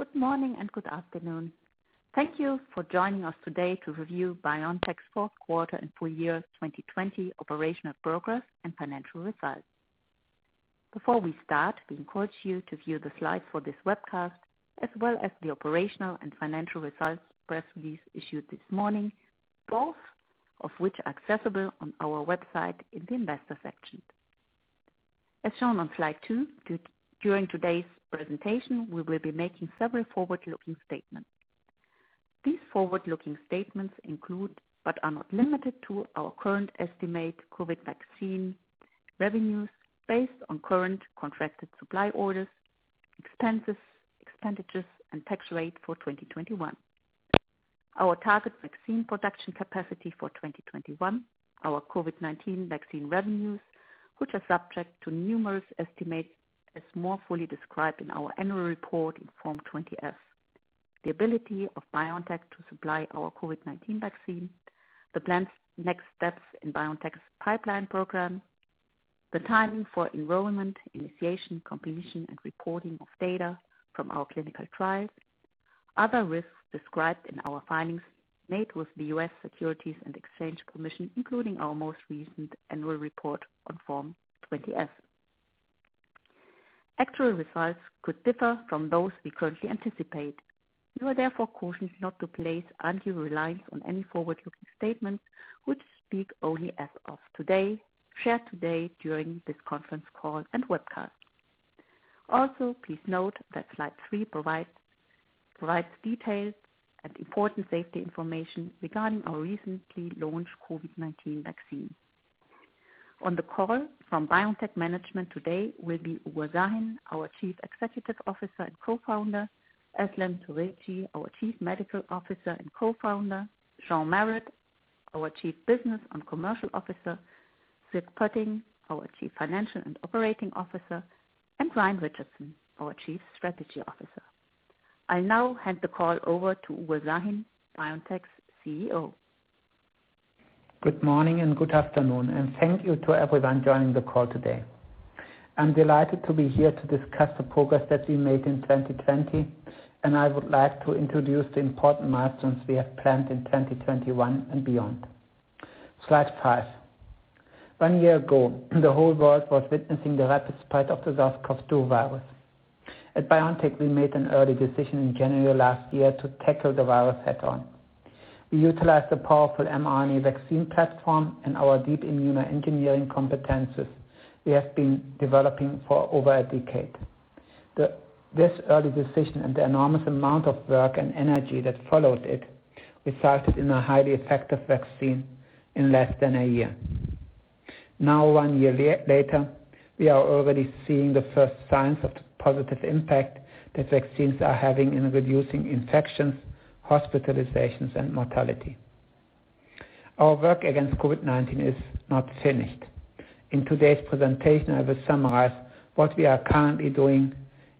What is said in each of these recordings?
Good morning and good afternoon. Thank you for joining us today to review BioNTech's fourth quarter and full year 2020 operational progress and financial results. Before we start, we encourage you to view the slides for this webcast, as well as the operational and financial results press release issued this morning, both of which are accessible on our website in the investor section. As shown on slide two, during today's presentation, we will be making several forward-looking statements. These forward-looking statements include, but are not limited to, our current estimate COVID-19 vaccine revenues based on current contracted supply orders, expenses, expenditures, and tax rate for 2021. Our target vaccine production capacity for 2021, our COVID-19 vaccine revenues, which are subject to numerous estimates, as more fully described in our annual report in Form 20-F. The ability of BioNTech to supply our COVID-19 vaccine. The planned next steps in BioNTech's pipeline program. The timing for enrollment, initiation, completion and reporting of data from our clinical trials. Other risks described in our filings made with the U.S. Securities and Exchange Commission, including our most recent annual report on Form 20-F. Actual results could differ from those we currently anticipate. You are therefore cautioned not to place undue reliance on any forward-looking statements which speak only as of today, shared today during this conference call and webcast. Also, please note that slide three provides details and important safety information regarding our recently launched COVID-19 vaccine. On the call from BioNTech management today will be Uğur Şahin, our Chief Executive Officer and Co-founder, Özlem Türeci, our Chief Medical Officer and Co-founder, Sean Marett, our Chief Business and Commercial Officer, Sierk Pötting, our Chief Financial and Operating Officer, and Ryan Richardson, our Chief Strategy Officer. I now hand the call over to Uğur Şahin, BioNTech's CEO. Good morning and good afternoon, and thank you to everyone joining the call today. I'm delighted to be here to discuss the progress that we made in 2020, and I would like to introduce the important milestones we have planned in 2021 and beyond. Slide five. One year ago, the whole world was witnessing the rapid spread of the SARS-CoV-2 virus. At BioNTech, we made an early decision in January last year to tackle the virus head on. We utilized the powerful mRNA vaccine platform and our deep immunoengineering competencies we have been developing for over a decade. This early decision and the enormous amount of work and energy that followed it, resulted in a highly effective vaccine in less than a year. Now, one year later, we are already seeing the first signs of the positive impact that vaccines are having in reducing infections, hospitalizations, and mortality. Our work against COVID-19 is not finished. In today's presentation, I will summarize what we are currently doing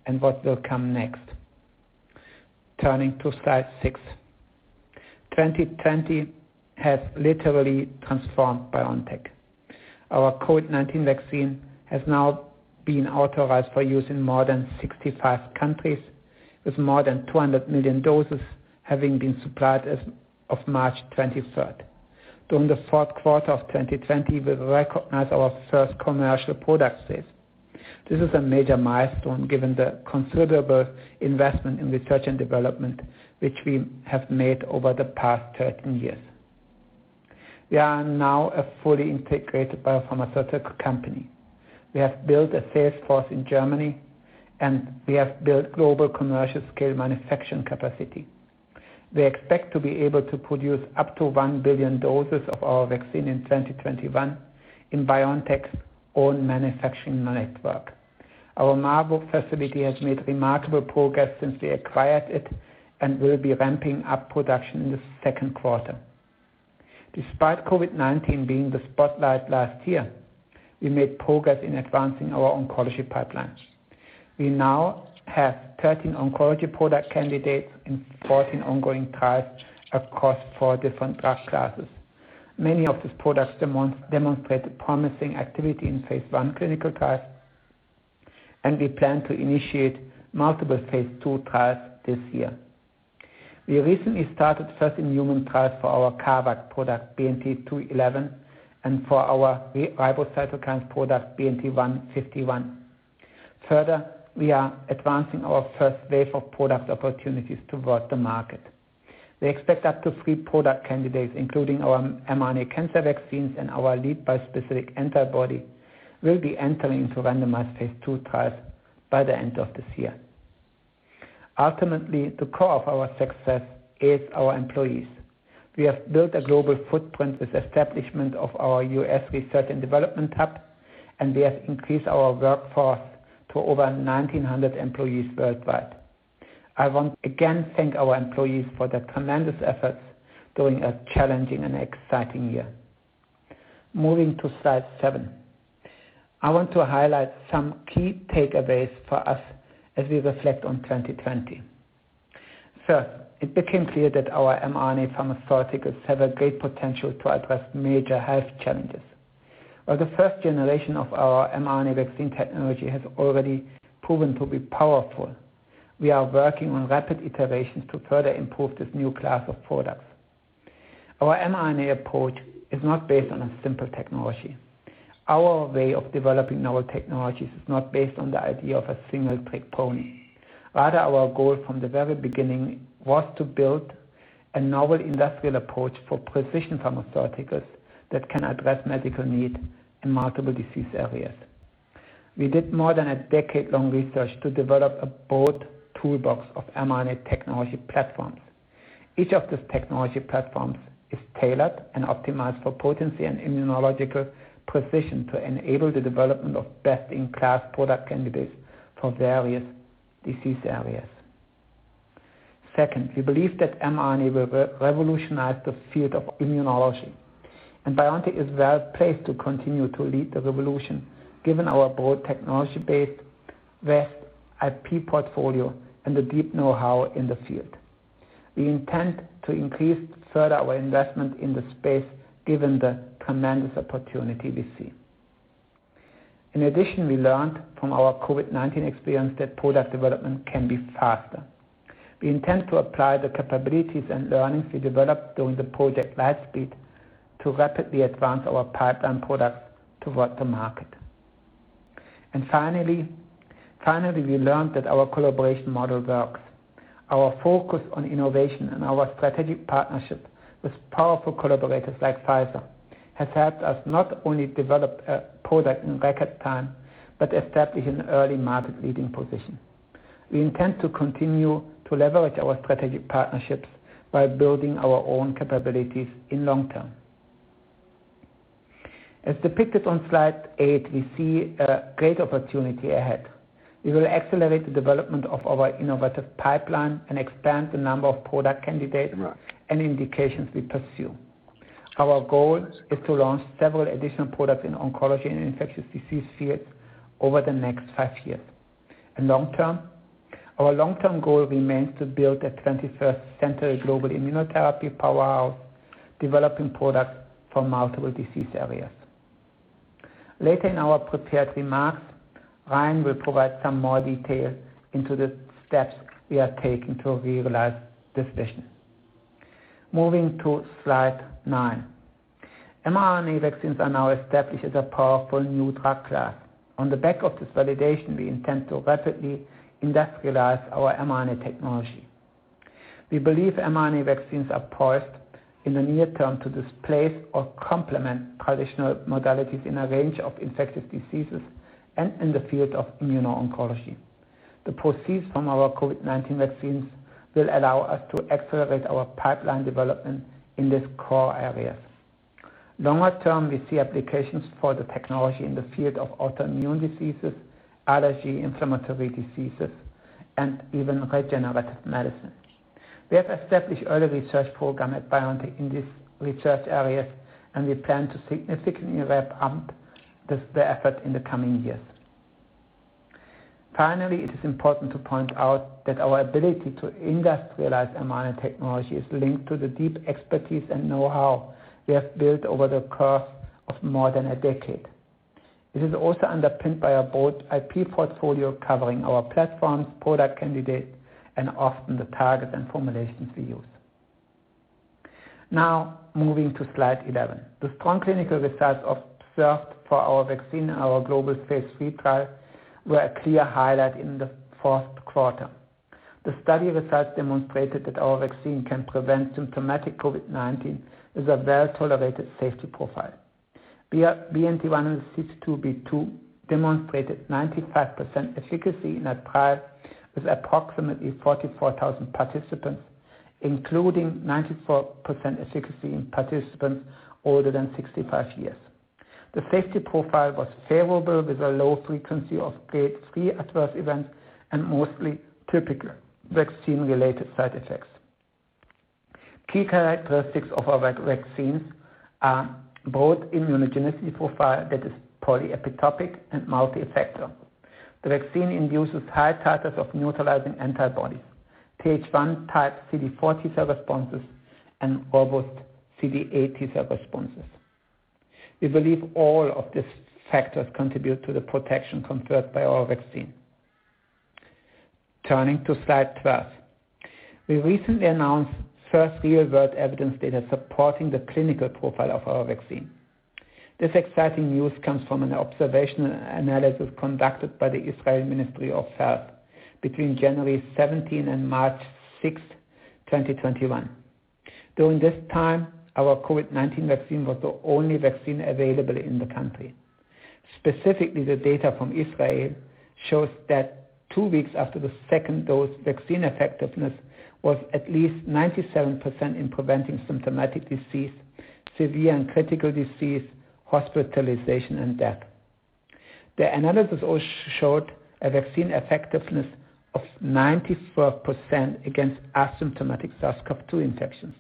and what will come next. Turning to slide six. 2020 has literally transformed BioNTech. Our COVID-19 vaccine has now been authorized for use in more than 65 countries, with more than 200 million doses having been supplied as of March 23rd. During the fourth quarter of 2020, we recognized our first commercial product sales. This is a major milestone, given the considerable investment in research and development which we have made over the past 13 years. We are now a fully integrated biopharmaceutical company. We have built a sales force in Germany, and we have built global commercial scale manufacturing capacity. We expect to be able to produce up to 1 billion doses of our vaccine in 2021 in BioNTech's own manufacturing network. Our Marburg facility has made remarkable progress since we acquired it and will be ramping up production in the second quarter. Despite COVID-19 being the spotlight last year, we made progress in advancing our oncology pipeline. We now have 13 oncology product candidates in 14 ongoing trials across four different drug classes. Many of these products demonstrated promising activity in phase I clinical trials, and we plan to initiate multiple phase II trials this year. We recently started first human trials for our CARVac product, BNT211, and for our RiboCytokine product, BNT151. Further, we are advancing our first wave of product opportunities toward the market. We expect up to three product candidates, including our mRNA cancer vaccines and our lead bispecific antibody, will be entering into randomized phase II trials by the end of this year. Ultimately, the core of our success is our employees. We have built a global footprint with establishment of our U.S. research and development hub, and we have increased our workforce to over 1,900 employees worldwide. I want again thank our employees for their tremendous efforts during a challenging and exciting year. Moving to slide seven. I want to highlight some key takeaways for us as we reflect on 2020. First, it became clear that our mRNA pharmaceuticals have a great potential to address major health challenges. While the first generation of our mRNA vaccine technology has already proven to be powerful, we are working on rapid iterations to further improve this new class of products. Our mRNA approach is not based on a simple technology. Our way of developing novel technologies is not based on the idea of a single trick pony. Our goal from the very beginning was to build a novel industrial approach for precision pharmaceuticals that can address medical need in multiple disease areas. We did more than a decade-long research to develop a broad toolbox of mRNA technology platforms. Each of these technology platforms is tailored and optimized for potency and immunological precision to enable the development of best-in-class product candidates for various disease areas. We believe that mRNA will revolutionize the field of immunology, and BioNTech is well placed to continue to lead the revolution given our broad technology base, vast IP portfolio, and the deep know-how in the field. We intend to increase further our investment in the space given the tremendous opportunity we see. We learned from our COVID-19 experience that product development can be faster. We intend to apply the capabilities and learnings we developed during the Project Lightspeed to rapidly advance our pipeline products toward the market. Finally, we learned that our collaboration model works. Our focus on innovation and our strategic partnership with powerful collaborators like Pfizer has helped us not only develop a product in record time but establish an early market-leading position. We intend to continue to leverage our strategic partnerships while building our own capabilities in long term. As depicted on slide eight, we see a great opportunity ahead. We will accelerate the development of our innovative pipeline and expand the number of product candidates and indications we pursue. Our goal is to launch several additional products in oncology and infectious disease fields over the next five years. Our long-term goal remains to build a 21st-century global immunotherapy powerhouse, developing products for multiple disease areas. Later in our prepared remarks, Ryan will provide some more detail into the steps we are taking to realize this vision. Moving to slide nine. mRNA vaccines are now established as a powerful new drug class. On the back of this validation, we intend to rapidly industrialize our mRNA technology. We believe mRNA vaccines are poised in the near term to displace or complement traditional modalities in a range of infectious diseases and in the field of immuno-oncology. The proceeds from our COVID-19 vaccines will allow us to accelerate our pipeline development in these core areas. Longer term, we see applications for the technology in the field of autoimmune diseases, allergy, inflammatory diseases, and even regenerative medicine. We have established early research program at BioNTech in these research areas, and we plan to significantly ramp up the effort in the coming years. Finally, it is important to point out that our ability to industrialize mRNA technology is linked to the deep expertise and know-how we have built over the course of more than a decade. It is also underpinned by a broad IP portfolio covering our platforms, product candidates, and often the targets and formulations we use. Now moving to slide 11. The strong clinical results observed for our vaccine in our global phase III trial were a clear highlight in the fourth quarter. The study results demonstrated that our vaccine can prevent symptomatic COVID-19 with a well-tolerated safety profile. BNT162b2 demonstrated 95% efficacy in a trial with approximately 44,000 participants, including 94% efficacy in participants older than 65 years. The safety profile was favorable with a low frequency of Grade 3 adverse events and mostly typical vaccine-related side effects. Key characteristics of our vaccines are broad immunogenicity profile that is polyepitopic and multi-effector. The vaccine induces high titers of neutralizing antibodies, TH1 type CD4 T cell responses, and robust CD8 T cell responses. We believe all of these factors contribute to the protection conferred by our vaccine. Turning to slide 12. We recently announced first real-world evidence data supporting the clinical profile of our vaccine. This exciting news comes from an observational analysis conducted by the Israeli Ministry of Health between January 17 and March 6th, 2021. During this time, our COVID-19 vaccine was the only vaccine available in the country. Specifically, the data from Israel shows that two weeks after the second dose, vaccine effectiveness was at least 97% in preventing symptomatic disease, severe and critical disease, hospitalization, and death. The analysis also showed a vaccine effectiveness of 94% against asymptomatic SARS-CoV-2 infections.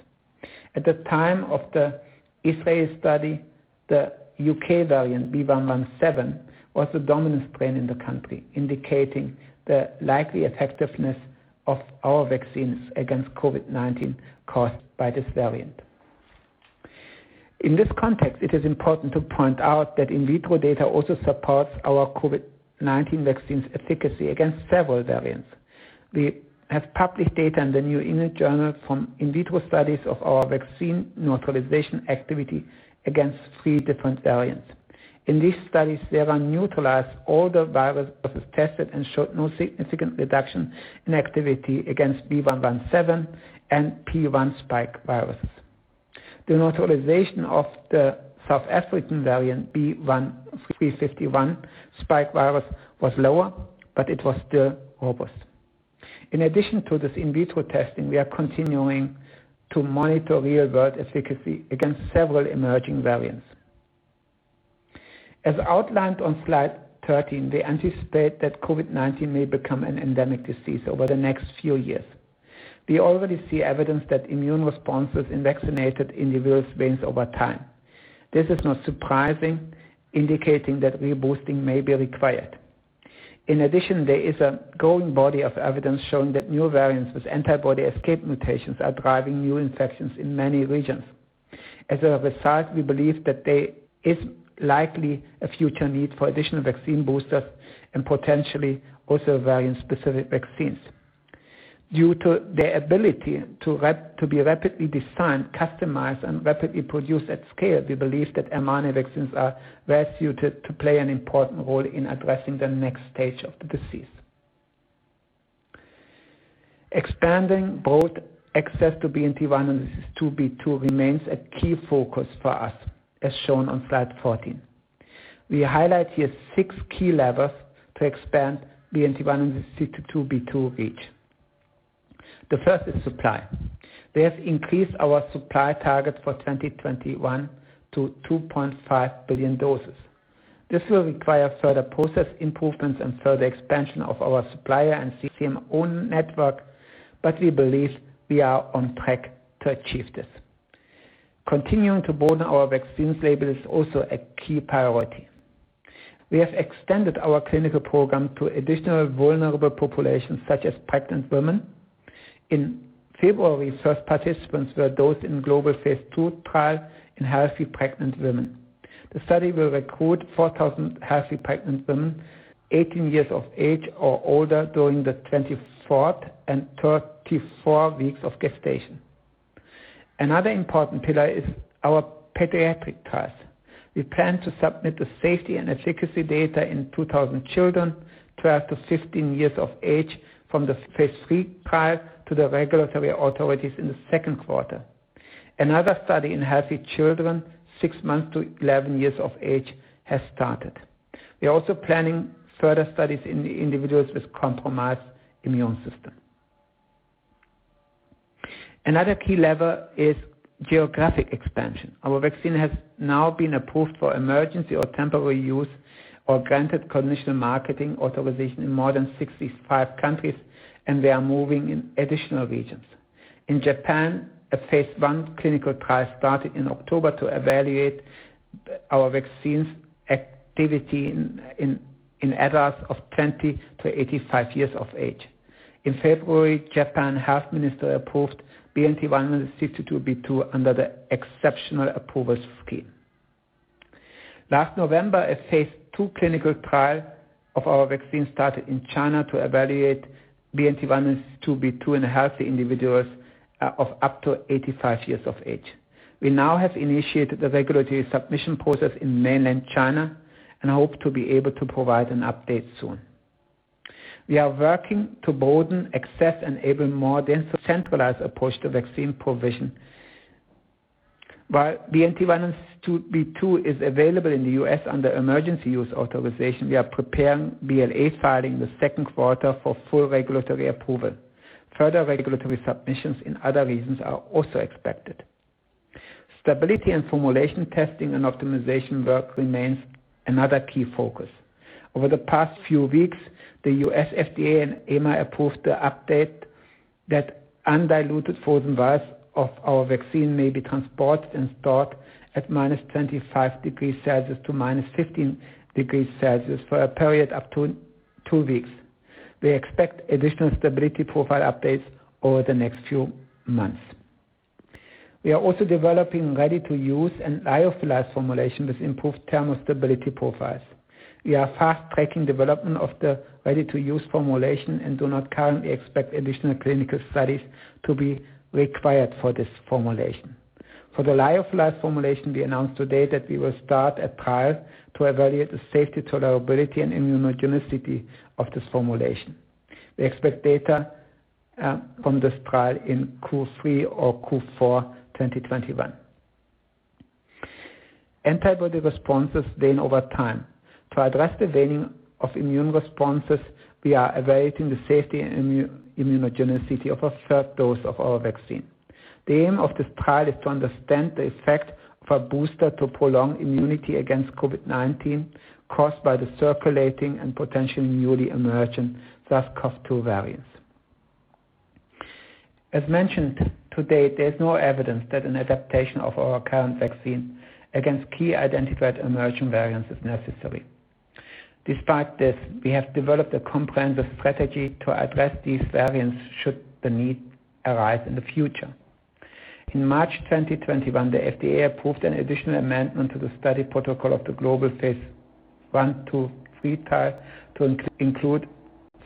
At the time of the Israel study. The U.K. variant, B.1.1.7, was the dominant strain in the country, indicating the likely effectiveness of our vaccines against COVID-19 caused by this variant. In this context, it is important to point out that in vitro data also supports our COVID-19 vaccine's efficacy against several variants. We have published data in The New England Journal from in vitro studies of our vaccine neutralization activity against three different variants. In these studies, they have neutralized all the virus that was tested and showed no significant reduction in activity against B.1.1.7 and P.1 spike viruses. The neutralization of the South African variant, B.1.351 spike virus, was lower, but it was still robust. In addition to this in vitro testing, we are continuing to monitor real-world efficacy against several emerging variants. As outlined on slide 13, we anticipate that COVID-19 may become an endemic disease over the next few years. We already see evidence that immune responses in vaccinated individuals wane over time. This is not surprising, indicating that reboosting may be required. In addition, there is a growing body of evidence showing that new variants with antibody escape mutations are driving new infections in many regions. As a result, we believe that there is likely a future need for additional vaccine boosters and potentially also variant-specific vaccines. Due to their ability to be rapidly designed, customized, and rapidly produced at scale, we believe that mRNA vaccines are well-suited to play an important role in addressing the next stage of the disease. Expanding broad access to BNT162b2 remains a key focus for us, as shown on slide 14. We highlight here six key levers to expand BNT162b2 reach. The first is supply. We have increased our supply target for 2021 to 2.5 billion doses. This will require further process improvements and further expansion of our supplier and CMO owned network. We believe we are on track to achieve this. Continuing to broaden our vaccine label is also a key priority. We have extended our clinical program to additional vulnerable populations such as pregnant women. In February, first participants were dosed in global phase II trial in healthy pregnant women. The study will recruit 4,000 healthy pregnant women, 18 years of age or older during the 24th and 34 weeks of gestation. Another important pillar is our pediatric trials. We plan to submit the safety and efficacy data in 2,000 children, 12-15 years of age from the phase III trial to the regulatory authorities in the second quarter. Another study in healthy children, six months to 11 years of age, has started. We're also planning further studies in individuals with compromised immune systems. Another key lever is geographic expansion. Our vaccine has now been approved for emergency or temporary use or granted conditional marketing authorization in more than 65 countries, and we are moving in additional regions. In Japan, a phase I clinical trial started in October to evaluate our vaccine's activity in adults of 20-85 years of age. In February, Japan's Health Minister approved BNT162b2 under the exceptional approval scheme. Last November, a phase II clinical trial of our vaccine started in China to evaluate BNT162b2 in healthy individuals of up to 85 years of age. We now have initiated the regulatory submission process in mainland China and hope to be able to provide an update soon. We are working to broaden access and enable more decentralized approach to vaccine provision. While BNT162b2 is available in the U.S. under emergency use authorization, we are preparing BLA filing in the second quarter for full regulatory approval. Further regulatory submissions in other regions are also expected. Stability and formulation testing and optimization work remains another key focus. Over the past few weeks, the U.S. FDA and EMA approved the update that undiluted frozen vials of our vaccine may be transported and stored at -25 degrees Celsius to -15 degrees Celsius for a period up to two weeks. We expect additional stability profile updates over the next few months. We are also developing ready-to-use and lyophilized formulation with improved thermal stability profiles. We are fast-tracking development of the ready-to-use formulation and do not currently expect additional clinical studies to be required for this formulation. For the lyophilized formulation, we announced today that we will start a trial to evaluate the safety, tolerability, and immunogenicity of this formulation. We expect data from this trial in Q3 or Q4 2021. Antibody responses wane over time. To address the waning of immune responses, we are evaluating the safety and immunogenicity of a third dose of our vaccine. The aim of this trial is to understand the effect of a booster to prolong immunity against COVID-19 caused by the circulating and potentially newly emergent SARS-CoV-2 variants. As mentioned today, there is no evidence that an adaptation of our current vaccine against key identified emerging variants is necessary. Despite this, we have developed a comprehensive strategy to address these variants should the need arise in the future. In March 2021, the FDA approved an additional amendment to the study protocol of the global phase I, phase II, phase III trial to include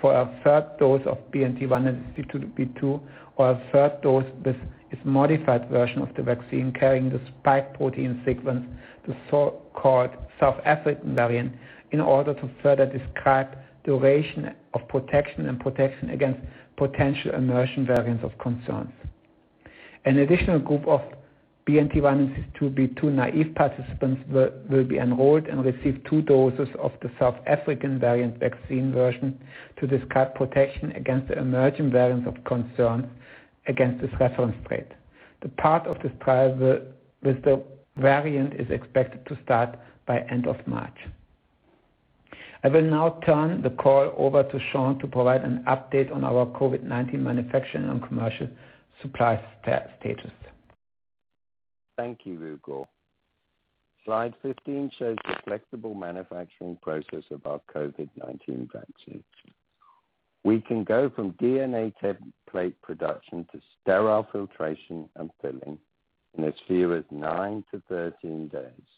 for a third dose of BNT162b2 or a third dose with this modified version of the vaccine carrying the spike protein sequence, the so-called South African variant, in order to further describe duration of protection and protection against potential emerging variants of concerns. An additional group of BNT162b2 naive participants will be enrolled and receive two doses of the South African variant vaccine version to describe protection against the emerging variants of concern against this reference rate. The part of this trial with the variant is expected to start by end of March. I will now turn the call over to Sean to provide an update on our COVID-19 manufacturing and commercial supply status. Thank you, Uğur. Slide 15 shows the flexible manufacturing process of our COVID-19 vaccine. We can go from DNA template production to sterile filtration and filling in as few as nine to 13 days.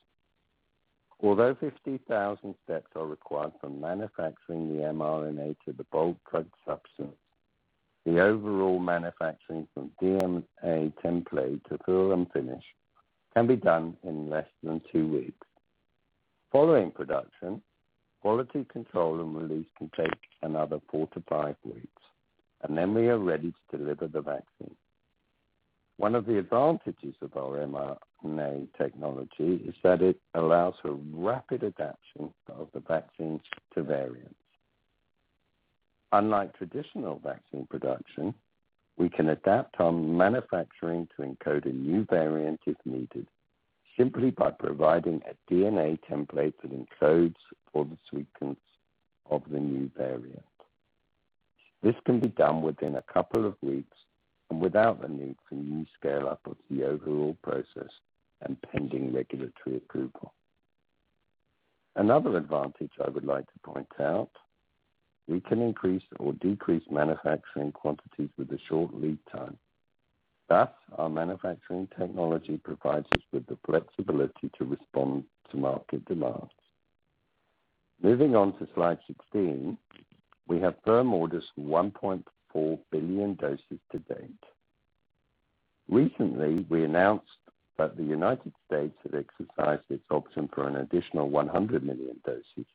Although 50,000 steps are required for manufacturing the mRNA to the bulk drug substance, the overall manufacturing from DNA template to fill and finish can be done in less than two weeks. Following production, quality control and release can take another four to five weeks, and then we are ready to deliver the vaccine. One of the advantages of our mRNA technology is that it allows for rapid adaption of the vaccines to variants. Unlike traditional vaccine production, we can adapt our manufacturing to encode a new variant if needed, simply by providing a DNA template that encodes for the sequence of the new variant. This can be done within a couple of weeks and without the need for new scale-up of the overall process and pending regulatory approval. Another advantage I would like to point out, we can increase or decrease manufacturing quantities with a short lead time. Our manufacturing technology provides us with the flexibility to respond to market demands. Moving on to slide 16, we have firm orders for 1.4 billion doses to date. Recently, we announced that the United States had exercised its option for an additional 100 million doses,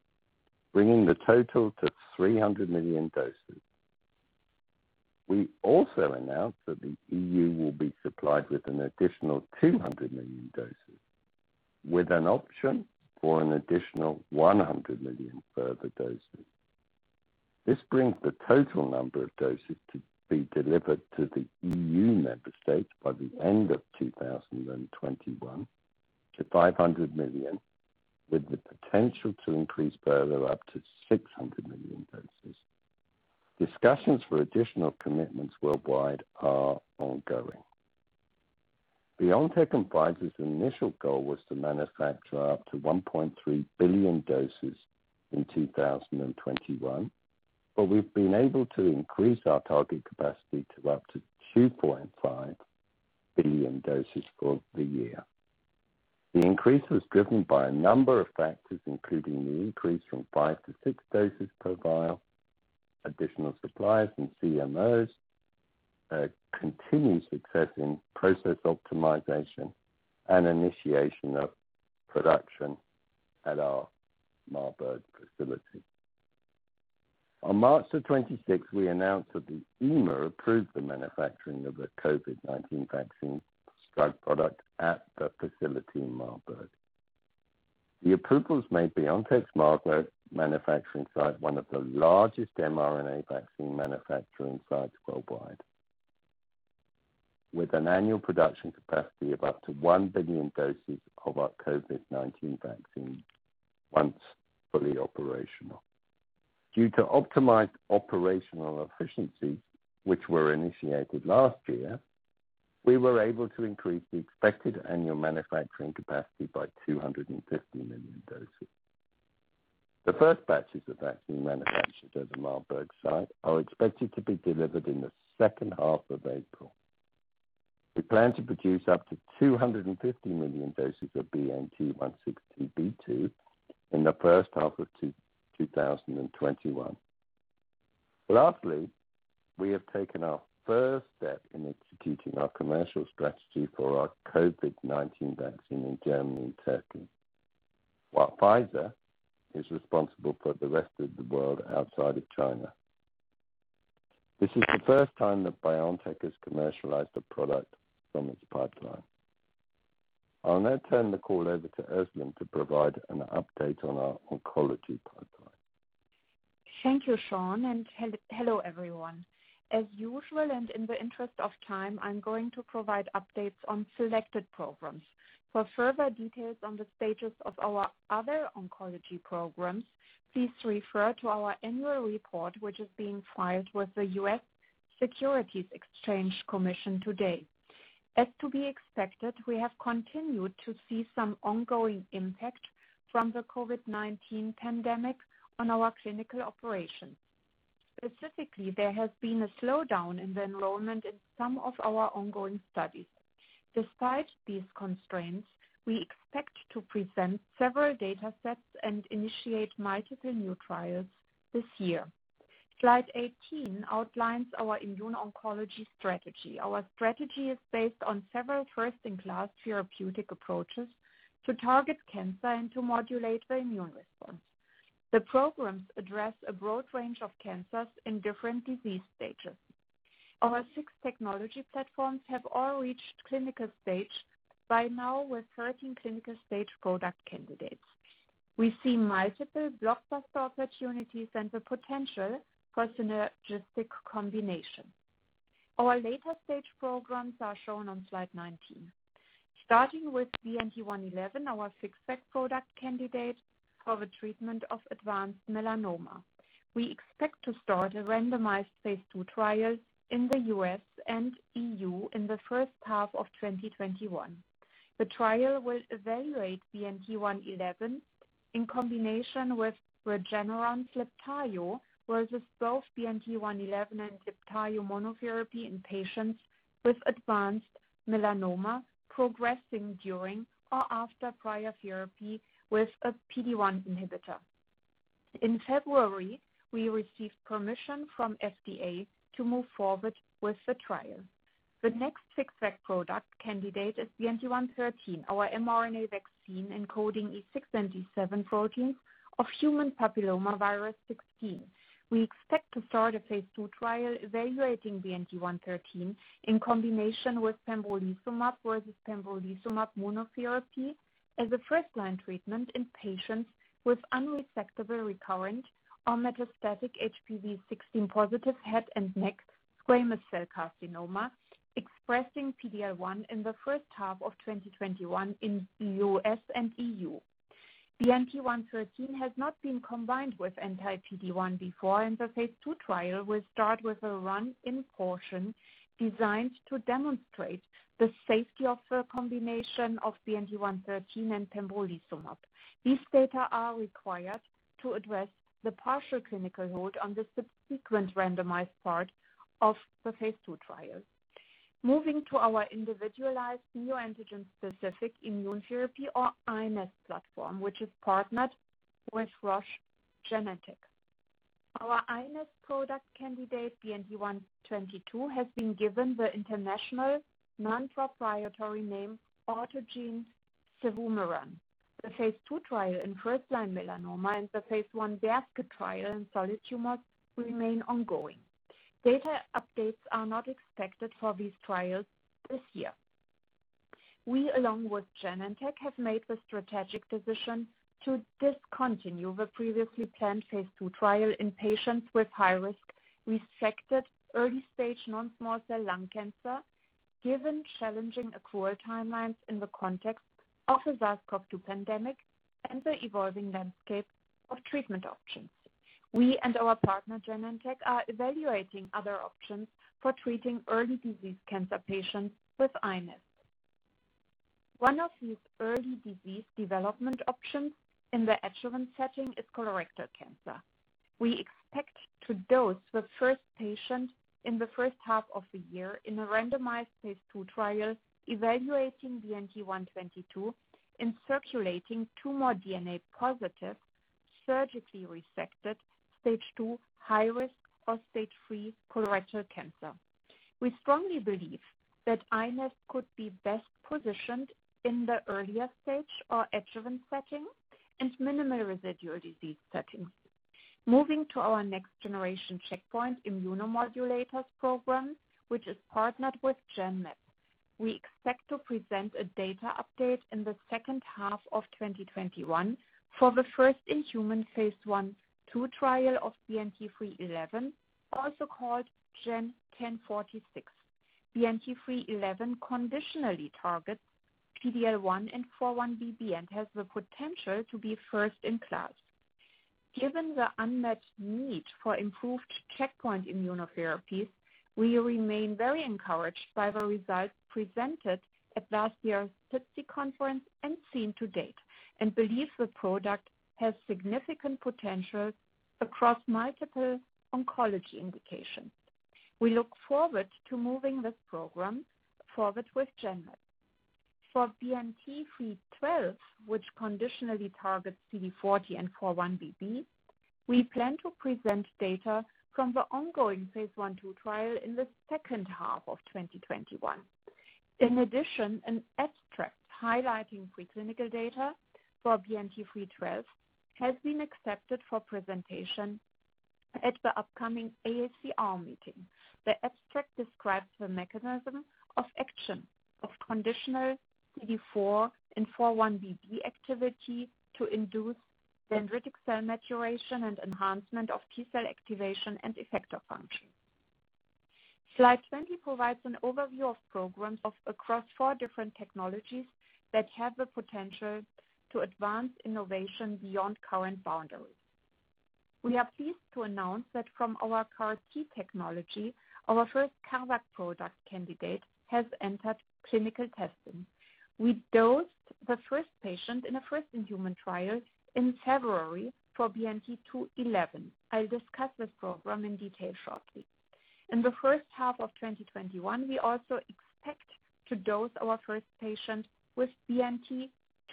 bringing the total to 300 million doses. We also announced that the EU will be supplied with an additional 200 million doses with an option for an additional 100 million further doses. This brings the total number of doses to be delivered to the EU member states by the end of 2021 to 500 million, with the potential to increase further up to 600 million doses. Discussions for additional commitments worldwide are ongoing. BioNTech and Pfizer's initial goal was to manufacture up to 1.3 billion doses in 2021, but we've been able to increase our target capacity to up to 2.5 billion doses for the year. The increase was driven by a number of factors, including the increase from five to six doses per vial, additional supplies from CMOs, continued success in process optimization, and initiation of production at our Marburg facility. On March the 26th, we announced that the EMA approved the manufacturing of the COVID-19 vaccine drug product at the facility in Marburg. The approvals made BioNTech's Marburg manufacturing site one of the largest mRNA vaccine manufacturing sites worldwide, with an annual production capacity of up to 1 billion doses of our COVID-19 vaccine once fully operational. Due to optimized operational efficiencies, which were initiated last year, we were able to increase the expected annual manufacturing capacity by 250 million doses. The first batches of vaccine manufactured at the Marburg site are expected to be delivered in the second half of April. We plan to produce up to 250 million doses of BNT162b2 in the first half of 2021. Lastly, we have taken our first step in executing our commercial strategy for our COVID-19 vaccine in Germany and Turkey, while Pfizer is responsible for the rest of the world outside of China. This is the first time that BioNTech has commercialized a product from its pipeline. I'll now turn the call over to Özlem to provide an update on our oncology pipeline. Thank you, Sean, and hello, everyone. As usual, and in the interest of time, I'm going to provide updates on selected programs. For further details on the status of our other oncology programs, please refer to our annual report, which is being filed with the U.S. Securities and Exchange Commission today. As to be expected, we have continued to see some ongoing impact from the COVID-19 pandemic on our clinical operations. Specifically, there has been a slowdown in the enrollment in some of our ongoing studies. Despite these constraints, we expect to present several data sets and initiate multiple new trials this year. Slide 18 outlines our immune oncology strategy. Our strategy is based on several first-in-class therapeutic approaches to target cancer and to modulate the immune response. The programs address a broad range of cancers in different disease stages. Our six technology platforms have all reached clinical stage by now with 13 clinical stage product candidates. We see multiple blockbuster opportunities and the potential for synergistic combination. Our later stage programs are shown on slide 19. Starting with BNT111, our FixVac product candidate for the treatment of advanced melanoma. We expect to start a randomized phase II trial in the U.S. and EU in the first half of 2021. The trial will evaluate BNT111 in combination with Regeneron's Libtayo versus both BNT111 and Libtayo monotherapy in patients with advanced melanoma progressing during or after prior therapy with a PD-1 inhibitor. In February, we received permission from FDA to move forward with the trial. The next FixVac product candidate is BNT113, our mRNA vaccine encoding E6 and E7 proteins of human papillomavirus 16. We expect to start a phase II trial evaluating BNT113 in combination with pembrolizumab versus pembrolizumab monotherapy as a first-line treatment in patients with unresectable recurrent or metastatic HPV16 positive head and neck squamous cell carcinoma expressing PD-L1 in the first half of 2021 in U.S. and EU. BNT113 has not been combined with anti-PD-1 before. The phase II trial will start with a run-in portion designed to demonstrate the safety of the combination of BNT113 and pembrolizumab. These data are required to address the partial clinical hold on the subsequent randomized part of the phase II trial. Moving to our individualized neoantigen-specific immunotherapy or iNeST platform, which is partnered with Roche Genentech. Our iNeST product candidate, BNT122, has been given the international non-proprietary name autogene cevumeran. The phase II trial in first-line melanoma and the phase I basket trial in solid tumors remain ongoing. Data updates are not expected for these trials this year. We, along with Genentech, have made the strategic decision to discontinue the previously planned phase II trial in patients with high risk resected early stage non-small cell lung cancer, given challenging accrual timelines in the context of the SARS-CoV-2 pandemic and the evolving landscape of treatment options. We and our partner, Genentech, are evaluating other options for treating early disease cancer patients with iNeST. One of these early disease development options in the adjuvant setting is colorectal cancer. We expect to dose the first patient in the first half of the year in a randomized phase II trial evaluating BNT122 in circulating tumor DNA positive surgically resected stage 2 high risk or stage 3 colorectal cancer. We strongly believe that iNeST could be best positioned in the earlier stage or adjuvant setting and minimal residual disease settings. Moving to our next generation checkpoint immunomodulators program, which is partnered with Genmab. We expect to present a data update in the second half of 2021 for the first in human phase I/II trial of BNT311, also called GEN1046. BNT311 conditionally targets PD-L1 and PD-L1x4-1BB and has the potential to be first in class. Given the unmatched need for improved checkpoint immunotherapies, we remain very encouraged by the results presented at last year's SITC conference and seen to date and believe the product has significant potential across multiple oncology indications. We look forward to moving this program forward with Genmab. For BNT312, which conditionally targets CD40 and PD-L1x4-1BB, we plan to present data from the ongoing phase I/II trial in the second half of 2021. In addition, an abstract highlighting preclinical data for BNT312 has been accepted for presentation at the upcoming AACR meeting. The abstract describes the mechanism of action of conditional CD4 and PD-L1x4-1BB activity to induce dendritic cell maturation and enhancement of T-cell activation and effector function. Slide 20 provides an overview of programs across four different technologies that have the potential to advance innovation beyond current boundaries. We are pleased to announce that from our CAR T technology, our first CARVac product candidate has entered clinical testing. We dosed the first patient in a first-in-human trial in February for BNT211. I'll discuss this program in detail shortly. In the first half of 2021, we also expect to dose our first patient with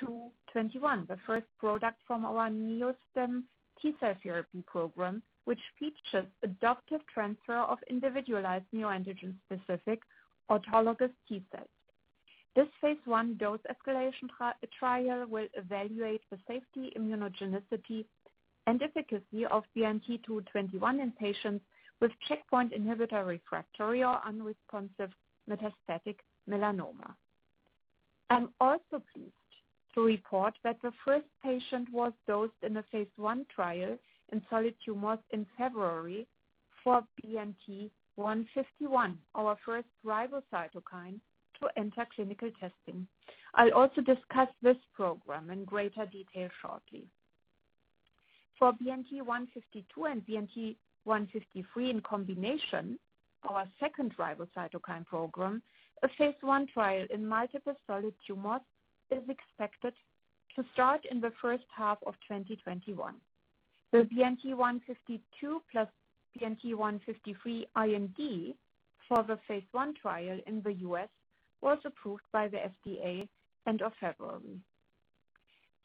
BNT221, the first product from our neoantigen-specific T cell therapy program, which features adoptive transfer of individualized neoantigen-specific autologous T-cells. This phase I dose escalation trial will evaluate the safety, immunogenicity, and efficacy of BNT221 in patients with checkpoint inhibitor refractory or unresponsive metastatic melanoma. I'm also pleased to report that the first patient was dosed in a phase I trial in solid tumors in February for BNT151, our first RiboCytokine to enter clinical testing. I'll also discuss this program in greater detail shortly. For BNT152 and BNT153 in combination, our second RiboCytokine program, a phase I trial in multiple solid tumors is expected to start in the first half of 2021. The BNT152 plus BNT153 IND for the phase I trial in the U.S. was approved by the FDA end of February.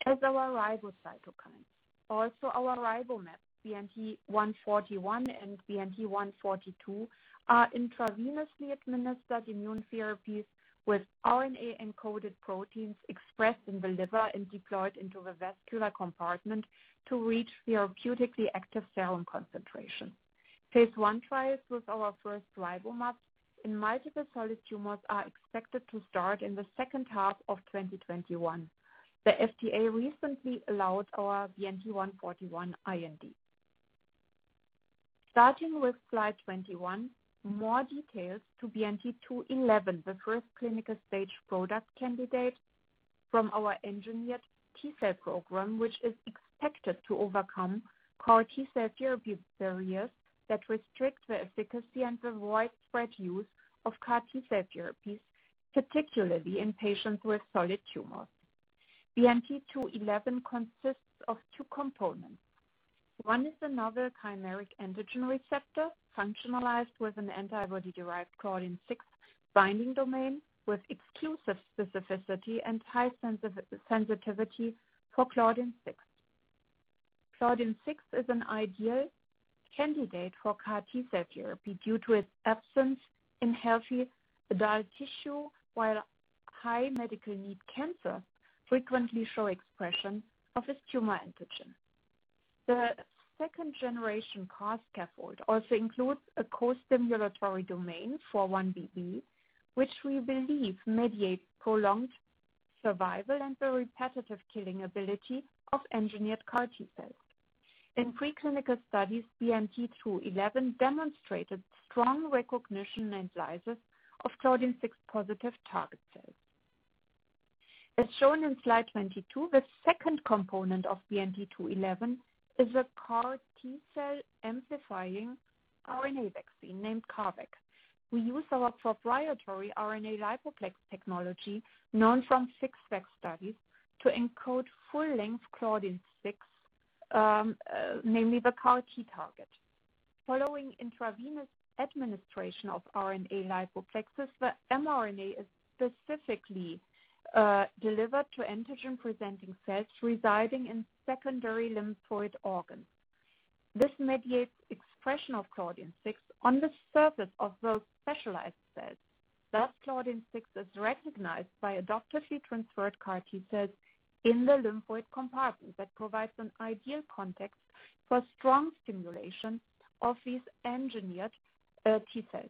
As our RiboCytokines, also our RiboMABs, BNT141 and BNT142, are intravenously administered immune therapies with RNA-encoded proteins expressed in the liver and deployed into the vascular compartment to reach therapeutically active serum concentration. Phase I trials with our first RiboMABs in multiple solid tumors are expected to start in the second half of 2021. The FDA recently allowed our BNT141 IND. Starting with slide 21, more details to BNT211, the first clinical stage product candidate from our engineered CAR T-cell program, which is expected to overcome CAR T-cell therapy barriers that restrict the efficacy and the widespread use of CAR T-cell therapies, particularly in patients with solid tumors. BNT211 consists of two components. One is another chimeric antigen receptor, functionalized with an antibody-derived CLDN6 binding domain with exclusive specificity and high sensitivity for CLDN6. CLDN6 is an ideal candidate for CAR T-cell therapy due to its absence in healthy adult tissue, while high medical need cancer frequently show expression of this tumor antigen. The second-generation CAR scaffold also includes a costimulatory domain, PD-L1x4-1BB, which we believe mediates prolonged survival and the repetitive killing ability of engineered CAR T cells. In preclinical studies, BNT211 demonstrated strong recognition and lysis of CLDN6-positive target cells. As shown in slide 22, the second component of BNT211 is a CAR T cell amplifying RNA vaccine named CARVac. We use our proprietary RNA-lipoplex technology, known from FixVac studies, to encode full-length CLDN6, namely the CAR T target. Following intravenous administration of RNA-lipoplexes, the mRNA is specifically delivered to antigen-presenting cells residing in secondary lymphoid organs. This mediates expression of CLDN6 on the surface of those specialized cells. Thus, CLDN6 is recognized by adoptively transferred CAR T cells in the lymphoid compartment that provides an ideal context for strong stimulation of these engineered T cells.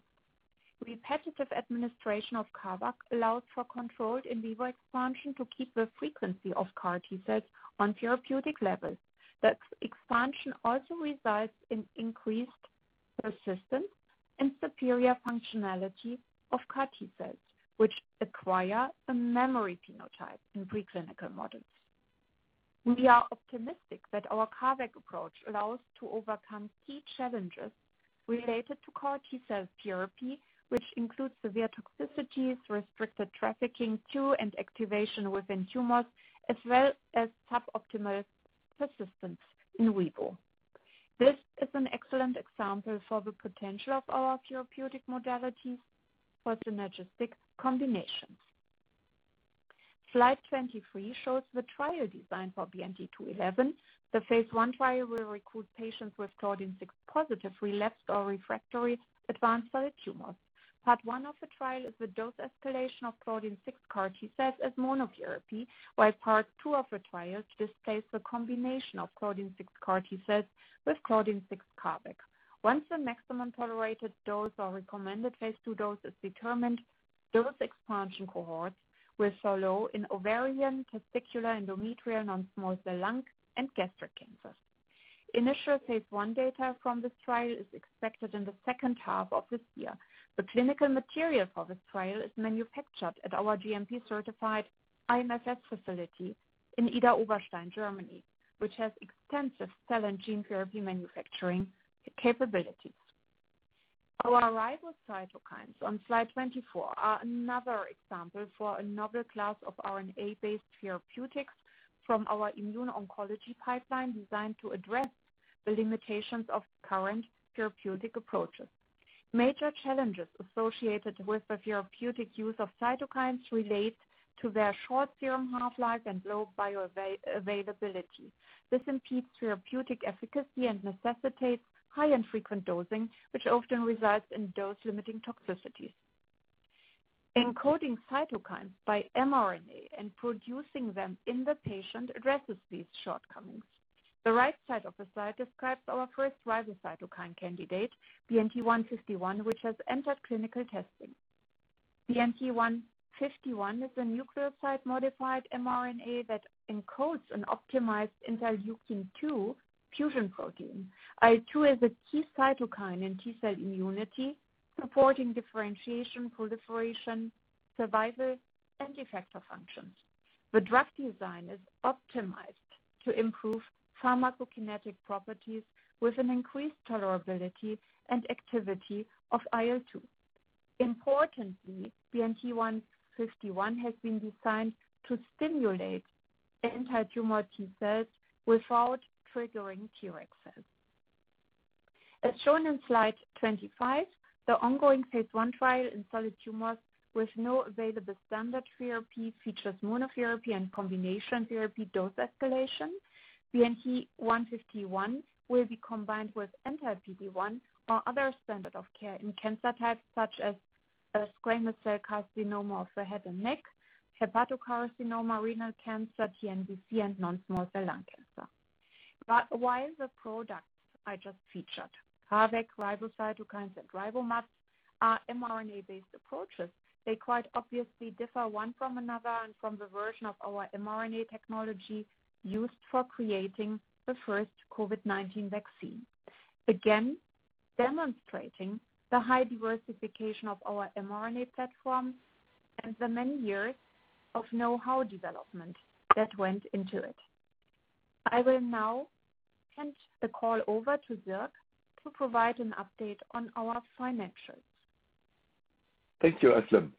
Repetitive administration of CARVac allows for controlled in vivo expansion to keep the frequency of CAR T cells on therapeutic levels. That expansion also results in increased persistence and superior functionality of CAR T cells, which acquire a memory phenotype in preclinical models. We are optimistic that our CARVac approach allows to overcome key challenges related to CAR T cell therapy, which includes severe toxicities, restricted trafficking to and activation within tumors, as well as suboptimal persistence in vivo. This is an excellent example for the potential of our therapeutic modalities for synergistic combinations. Slide 23 shows the trial design for BNT211. The phase I trial will recruit patients with CLDN6-positive, relapsed or refractory advanced solid tumors. Part one of the trial is the dose escalation of CLDN6 CAR T cells as monotherapy, while part two of the trial displays the combination of CLDN6 CAR T cells with CLDN6 CARVac. Once the maximum tolerated dose or recommended phase II dose is determined, dose expansion cohorts will follow in ovarian, testicular, endometrial, non-small cell lung and gastric cancers. Initial phase I data from this trial is expected in the second half of this year. The clinical material for this trial is manufactured at our GMP-certified IMFS facility in Idar-Oberstein, Germany, which has extensive cell and gene therapy manufacturing capabilities. Our RiboCytokines on slide 24 are another example for another class of RNA-based therapeutics from our immune oncology pipeline designed to address the limitations of current therapeutic approaches. Major challenges associated with the therapeutic use of cytokines relate to their short serum half-life and low bioavailability. This impedes therapeutic efficacy and necessitates high and frequent dosing, which often results in dose-limiting toxicities. Encoding cytokines by mRNA and producing them in the patient addresses these shortcomings. The right side of the slide describes our first RiboCytokine candidate, BNT151, which has entered clinical testing. BNT151 is a nucleoside modified mRNA that encodes an optimized interleukin-2 fusion protein. IL-2 is a key cytokine in T-cell immunity, supporting differentiation, proliferation, survival, and effector functions. The drug design is optimized to improve pharmacokinetic properties with an increased tolerability and activity of IL-2. Importantly, BNT151 has been designed to stimulate the anti-tumor T-cells without triggering T-reg cells. As shown in slide 25, the ongoing phase I trial in solid tumors with no available standard therapy features monotherapy and combination therapy dose escalation. BNT151 will be combined with anti-PD-1 or other standard of care in cancer types such as, squamous cell carcinoma of the head and neck, hepatocarcinoma, renal cancer, TNBC, and non-small cell lung cancer. While the products I just featured, CARVac, RiboCytokines, and RiboMABs, are mRNA-based approaches, they quite obviously differ one from another and from the version of our mRNA technology used for creating the first COVID-19 vaccine. Again, demonstrating the high diversification of our mRNA platform and the many years of know-how development that went into it. I will now hand the call over to Sierk to provide an update on our financials. Thank you, Özlem.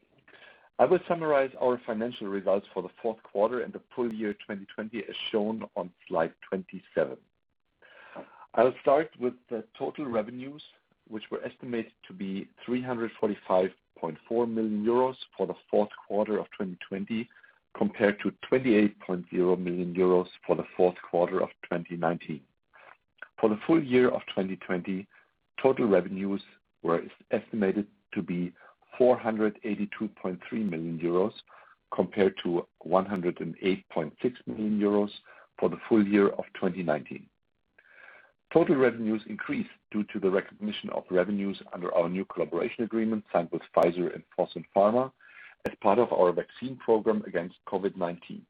I will summarize our financial results for the fourth quarter and the full year 2020 as shown on slide 27. I'll start with the total revenues, which were estimated to be 345.4 million euros for the fourth quarter of 2020, compared to 28.0 million euros for the fourth quarter of 2019. For the full year of 2020, total revenues were estimated to be 482.3 million euros compared to 108.6 million euros for the full year of 2019. Total revenues increased due to the recognition of revenues under our new collaboration agreement signed with Pfizer and Fosun Pharma as part of our vaccine program against COVID-19.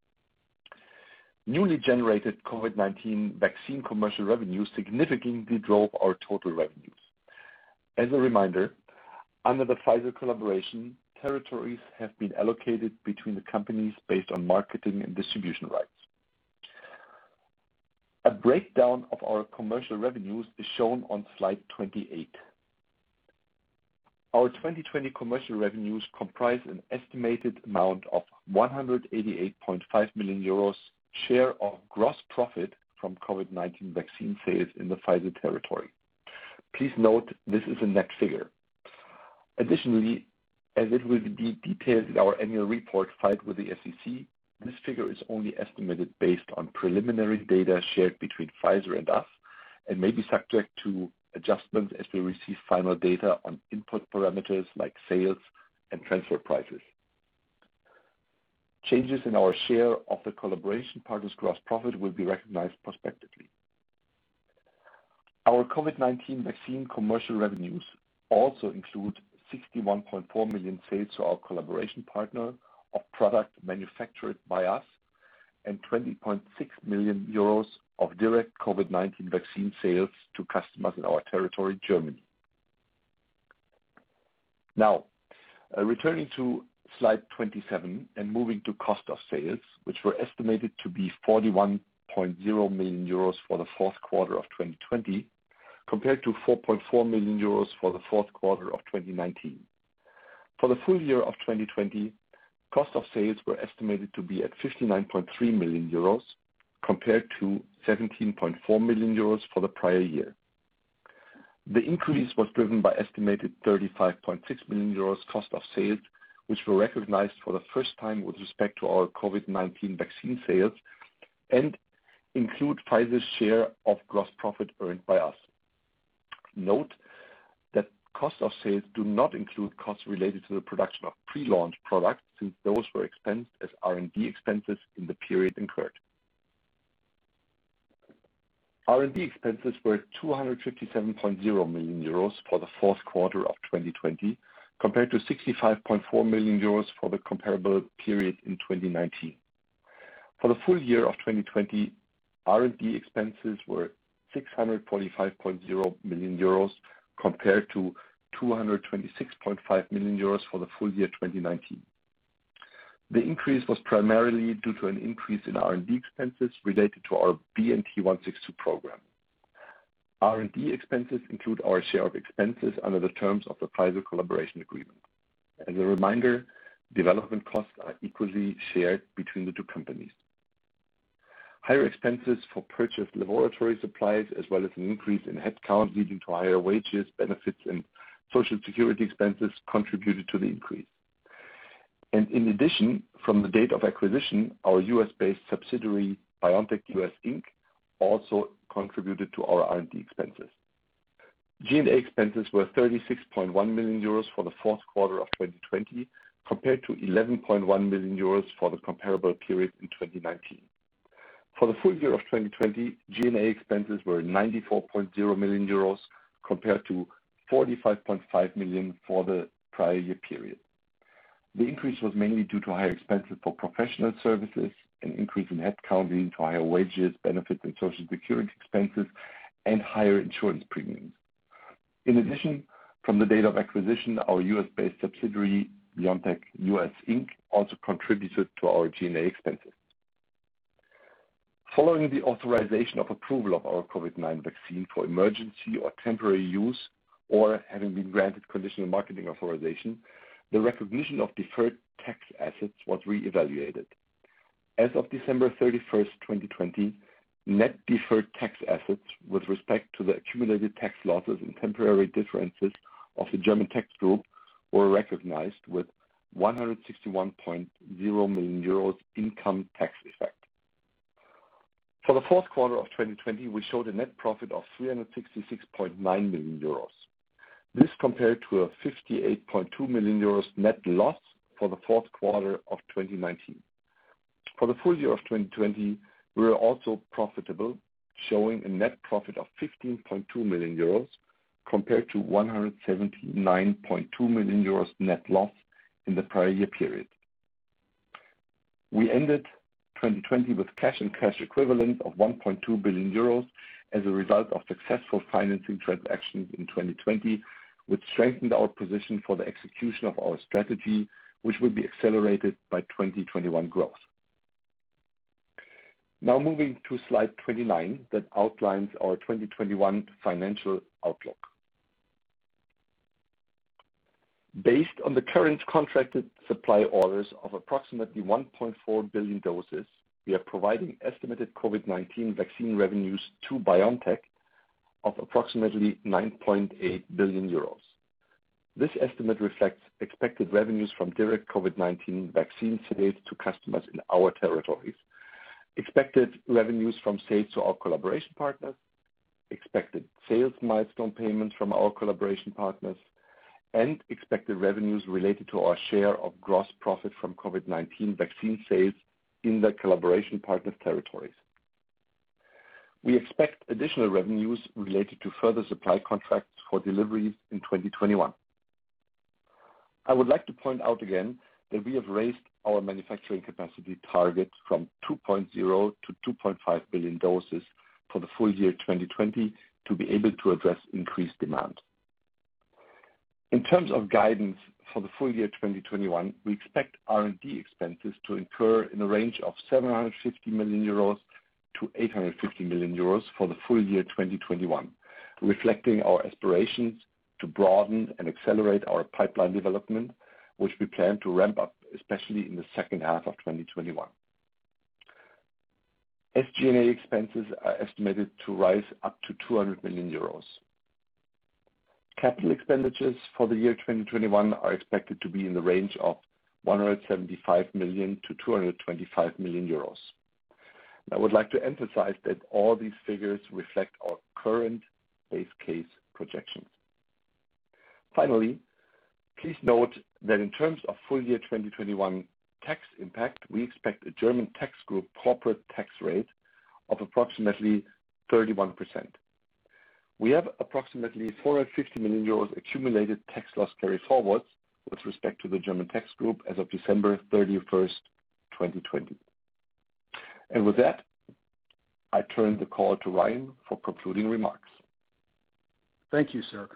Newly generated COVID-19 vaccine commercial revenues significantly drove our total revenues. As a reminder, under the Pfizer collaboration, territories have been allocated between the companies based on marketing and distribution rights. A breakdown of our commercial revenues is shown on slide 28. Our 2020 commercial revenues comprise an estimated amount of 188.5 million euros share of gross profit from COVID-19 vaccine sales in the Pfizer territory. Please note this is a net figure. Additionally, as it will be detailed in our annual report filed with the SEC, this figure is only estimated based on preliminary data shared between Pfizer and us and may be subject to adjustments as we receive final data on input parameters like sales and transfer prices. Changes in our share of the collaboration partner's gross profit will be recognized prospectively. Our COVID-19 vaccine commercial revenues also include 61.4 million sales to our collaboration partner of product manufactured by us and 20.6 million euros of direct COVID-19 vaccine sales to customers in our territory, Germany. Returning to slide 27 and moving to cost of sales, which were estimated to be 41.0 million euros for the fourth quarter of 2020, compared to 4.4 million euros for the fourth quarter of 2019. For the full year of 2020, cost of sales were estimated to be at 59.3 million euros compared to 17.4 million euros for the prior year. The increase was driven by estimated 35.6 million euros cost of sales, which were recognized for the first time with respect to our COVID-19 vaccine sales and include Pfizer's share of gross profit earned by us. Note that cost of sales do not include costs related to the production of pre-launch products, since those were expensed as R&D expenses in the period incurred. R&D expenses were 257.0 million euros for the fourth quarter of 2020, compared to 65.4 million euros for the comparable period in 2019. For the full year of 2020, R&D expenses were 645.0 million euros compared to 226.5 million euros for the full year 2019. The increase was primarily due to an increase in R&D expenses related to our BNT162 program. R&D expenses include our share of expenses under the terms of the Pfizer collaboration agreement. As a reminder, development costs are equally shared between the two companies. Higher expenses for purchased laboratory supplies, as well as an increase in headcount, leading to higher wages, benefits, and Social Security expenses, contributed to the increase. In addition, from the date of acquisition, our U.S.-based subsidiary, BioNTech US Inc., also contributed to our R&D expenses. G&A expenses were 36.1 million euros for the fourth quarter of 2020, compared to 11.1 million euros for the comparable period in 2019. For the full year of 2020, G&A expenses were 94.0 million euros compared to 45.5 million for the prior year period. The increase was mainly due to higher expenses for professional services, an increase in headcount leading to higher wages, benefits, and Social Security expenses, and higher insurance premiums. In addition, from the date of acquisition, our U.S.-based subsidiary, BioNTech US Inc, also contributed to our G&A expenses. Following the authorization of approval of our COVID-19 vaccine for emergency or temporary use, or having been granted conditional marketing authorization, the recognition of deferred tax assets was reevaluated. As of December 31, 2020, net deferred tax assets with respect to the accumulated tax losses and temporary differences of the German tax group were recognized with 161.0 million euros income tax effect. For the fourth quarter of 2020, we showed a net profit of 366.9 million euros. This compared to a 58.2 million euros net loss for the fourth quarter of 2019. For the full year of 2020, we were also profitable, showing a net profit of 15.2 million euros compared to 179.2 million euros net loss in the prior year period. We ended 2020 with cash and cash equivalents of 1.2 billion euros as a result of successful financing transactions in 2020, which strengthened our position for the execution of our strategy, which will be accelerated by 2021 growth. Now moving to slide 29, that outlines our 2021 financial outlook. Based on the current contracted supply orders of approximately 1.4 billion doses, we are providing estimated COVID-19 vaccine revenues to BioNTech of approximately 9.8 billion euros. This estimate reflects expected revenues from direct COVID-19 vaccine sales to customers in our territories, expected revenues from sales to our collaboration partners, expected sales milestone payments from our collaboration partners, and expected revenues related to our share of gross profit from COVID-19 vaccine sales in the collaboration partners' territories. We expect additional revenues related to further supply contracts for deliveries in 2021. I would like to point out again that we have raised our manufacturing capacity target from 2.0 to 2.5 billion doses for the full year 2020 to be able to address increased demand. In terms of guidance for the full year 2021, we expect R&D expenses to incur in a range of 750 million-850 million euros for the full year 2021, reflecting our aspirations to broaden and accelerate our pipeline development, which we plan to ramp up, especially in the second half of 2021. SG&A expenses are estimated to rise up to 200 million euros. Capital expenditures for the year 2021 are expected to be in the range of 175 million-225 million euros. I would like to emphasize that all these figures reflect our current base case projections. Finally, please note that in terms of full year 2021 tax impact, we expect a German tax group corporate tax rate of approximately 31%. We have approximately 450 million euros accumulated tax loss carryforwards with respect to the German tax group as of December 31st, 2020. With that, I turn the call to Ryan for concluding remarks. Thank you, Sierk.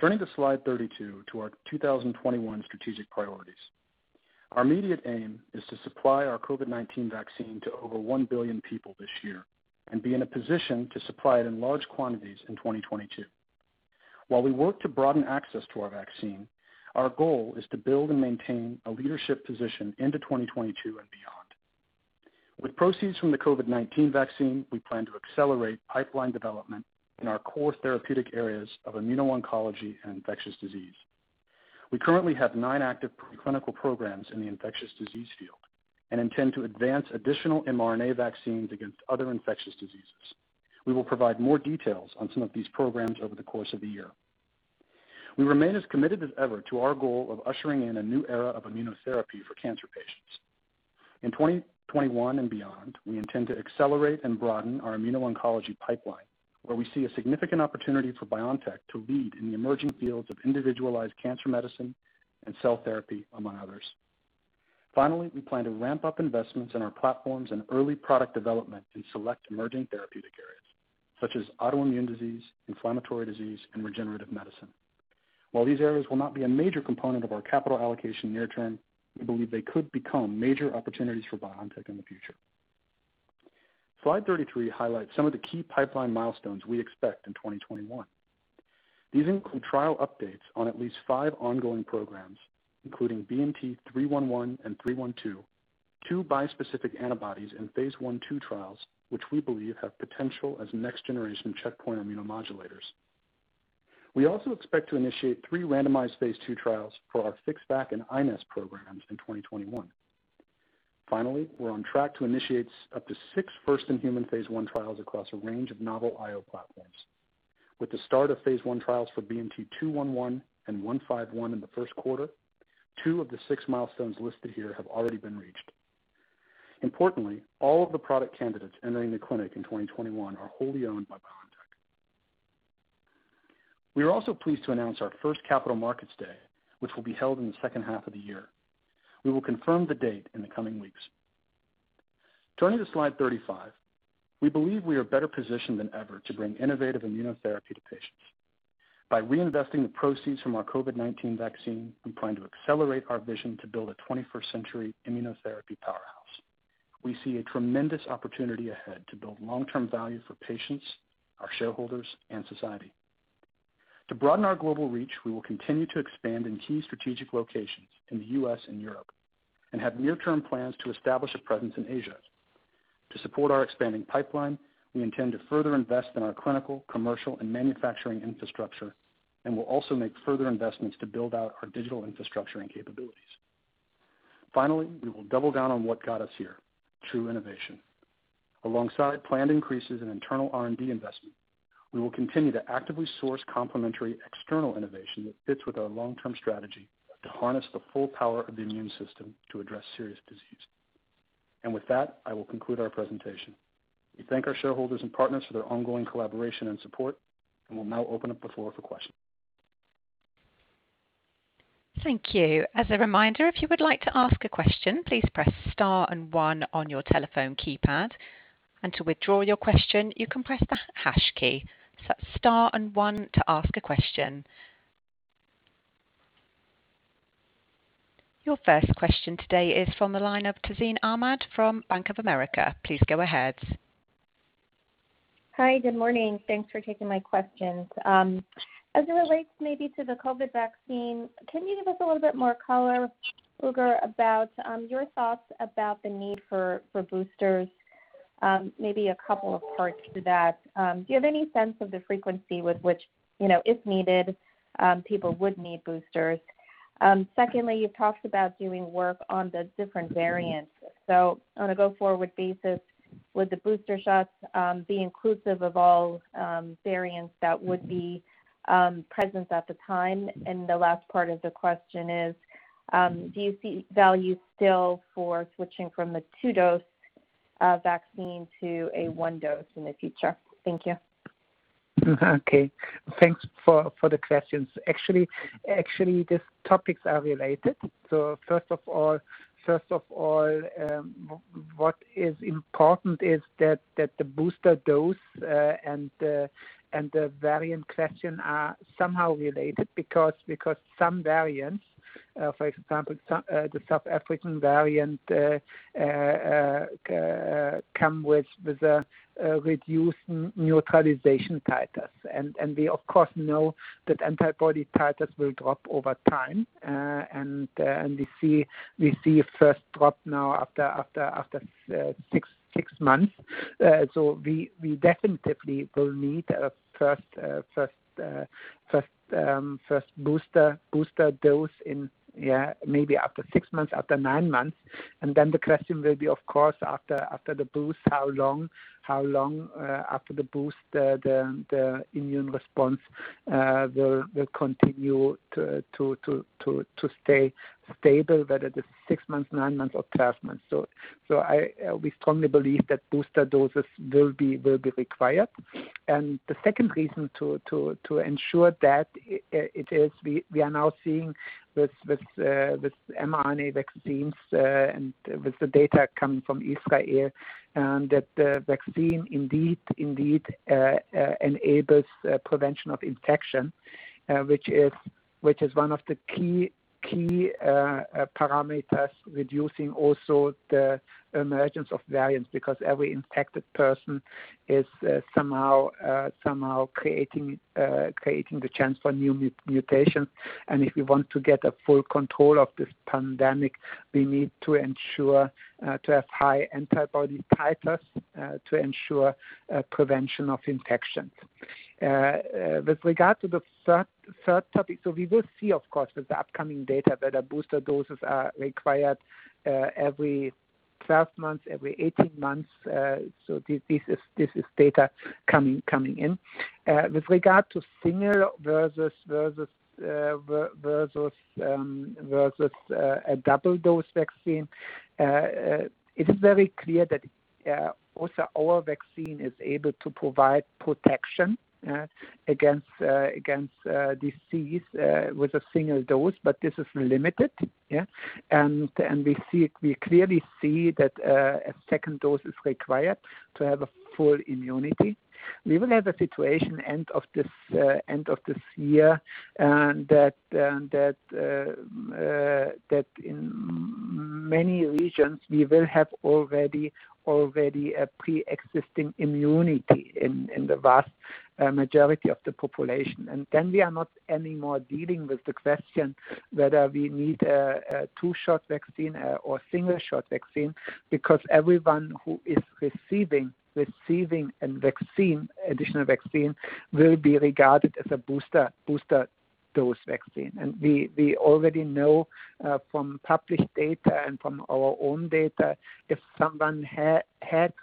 Turning to slide 32 to our 2021 strategic priorities. Our immediate aim is to supply our COVID-19 vaccine to over 1 billion people this year and be in a position to supply it in large quantities in 2022. While we work to broaden access to our vaccine, our goal is to build and maintain a leadership position into 2022 and beyond. With proceeds from the COVID-19 vaccine, we plan to accelerate pipeline development in our core therapeutic areas of immuno-oncology and infectious disease. We currently have nine active preclinical programs in the infectious disease field and intend to advance additional mRNA vaccines against other infectious diseases. We will provide more details on some of these programs over the course of the year. We remain as committed as ever to our goal of ushering in a new era of immunotherapy for cancer patients. In 2021 and beyond, we intend to accelerate and broaden our immuno-oncology pipeline, where we see a significant opportunity for BioNTech to lead in the emerging fields of individualized cancer medicine and cell therapy, among others. Finally, we plan to ramp up investments in our platforms and early product development in select emerging therapeutic areas, such as autoimmune disease, inflammatory disease, and regenerative medicine. While these areas will not be a major component of our capital allocation near-term, we believe they could become major opportunities for BioNTech in the future. Slide 33 highlights some of the key pipeline milestones we expect in 2021. These include trial updates on at least five ongoing programs, including BNT311 and 312, two bispecific antibodies in phase I/II trials, which we believe have potential as next generation checkpoint immunomodulators. We also expect to initiate three randomized phase II trials for our FixVac and iNeST programs in 2021. Finally, we're on track to initiate up to six first-in-human phase I trials across a range of novel IO platforms. With the start of phase I trials for BNT211 and BNT151 in the first quarter, two of the six milestones listed here have already been reached. Importantly, all of the product candidates entering the clinic in 2021 are wholly owned by BioNTech. We are also pleased to announce our first Capital Markets Day, which will be held in the second half of the year. We will confirm the date in the coming weeks. Turning to slide 35. We believe we are better positioned than ever to bring innovative immunotherapy to patients. By reinvesting the proceeds from our COVID-19 vaccine, we plan to accelerate our vision to build a 21st century immunotherapy powerhouse. We see a tremendous opportunity ahead to build long-term value for patients, our shareholders, and society. To broaden our global reach, we will continue to expand in key strategic locations in the U.S. and Europe, and have near-term plans to establish a presence in Asia. To support our expanding pipeline, we intend to further invest in our clinical, commercial, and manufacturing infrastructure, and will also make further investments to build out our digital infrastructure and capabilities. Finally, we will double down on what got us here, true innovation. Alongside planned increases in internal R&D investment, we will continue to actively source complementary external innovation that fits with our long-term strategy to harness the full power of the immune system to address serious disease. With that, I will conclude our presentation. We thank our shareholders and partners for their ongoing collaboration and support, and will now open up the floor for questions. Thank you. As a reminder, if you would like to ask a question, please press star and one on your telephone keypad. And to withdraw your question, you can press the hash key. Star and one to ask a question. Your first question today is from the line of Tazeen Ahmad from Bank of America. Please go ahead. Hi, good morning. Thanks for taking my questions. As it relates maybe to the COVID vaccine, can you give us a little bit more color, Uğur, about your thoughts about the need for boosters? Maybe a couple of parts to that. Do you have any sense of the frequency with which, if needed, people would need boosters? Secondly, you've talked about doing work on the different variants. On a go forward basis, would the booster shots be inclusive of all variants that would be present at the time? The last part of the question is, do you see value still for switching from the two-dose vaccine to a one dose in the future? Thank you. Okay. Thanks for the questions. Actually, these topics are related. First of all, what is important is that the booster dose and the variant question are somehow related because some variants, for example, the South African variant, come with a reduced neutralization titers. We of course know that antibody titers will drop over time. We see first drop now after six months. We definitively will need a first booster dose in maybe after six months, after nine months. The question will be, of course, after the boost, how long after the boost the immune response will continue to stay stable, whether it is six months, nine months, or 12 months. We strongly believe that booster doses will be required. The second reason to ensure that it is, we are now seeing with mRNA vaccines, and with the data coming from Israel, that the vaccine indeed enables prevention of infection, which is one of the key parameters reducing also the emergence of variants because every infected person is somehow creating the chance for new mutations. If we want to get a full control of this pandemic, we need to ensure to have high antibody titers to ensure prevention of infection. With regard to the third topic, we will see, of course, with the upcoming data, whether booster doses are required every 12 months, every 18 months. This is data coming in. With regard to single versus a double dose vaccine, it is very clear that Also, our vaccine is able to provide protection against disease with a single dose, but this is limited. We clearly see that a second dose is required to have full immunity. We will have a situation end of this year that in many regions, we will have already a preexisting immunity in the vast majority of the population. Then we are not anymore dealing with the question whether we need a two-shot vaccine or single-shot vaccine because everyone who is receiving an additional vaccine will be regarded as a booster dose vaccine. We already know from published data and from our own data, if someone had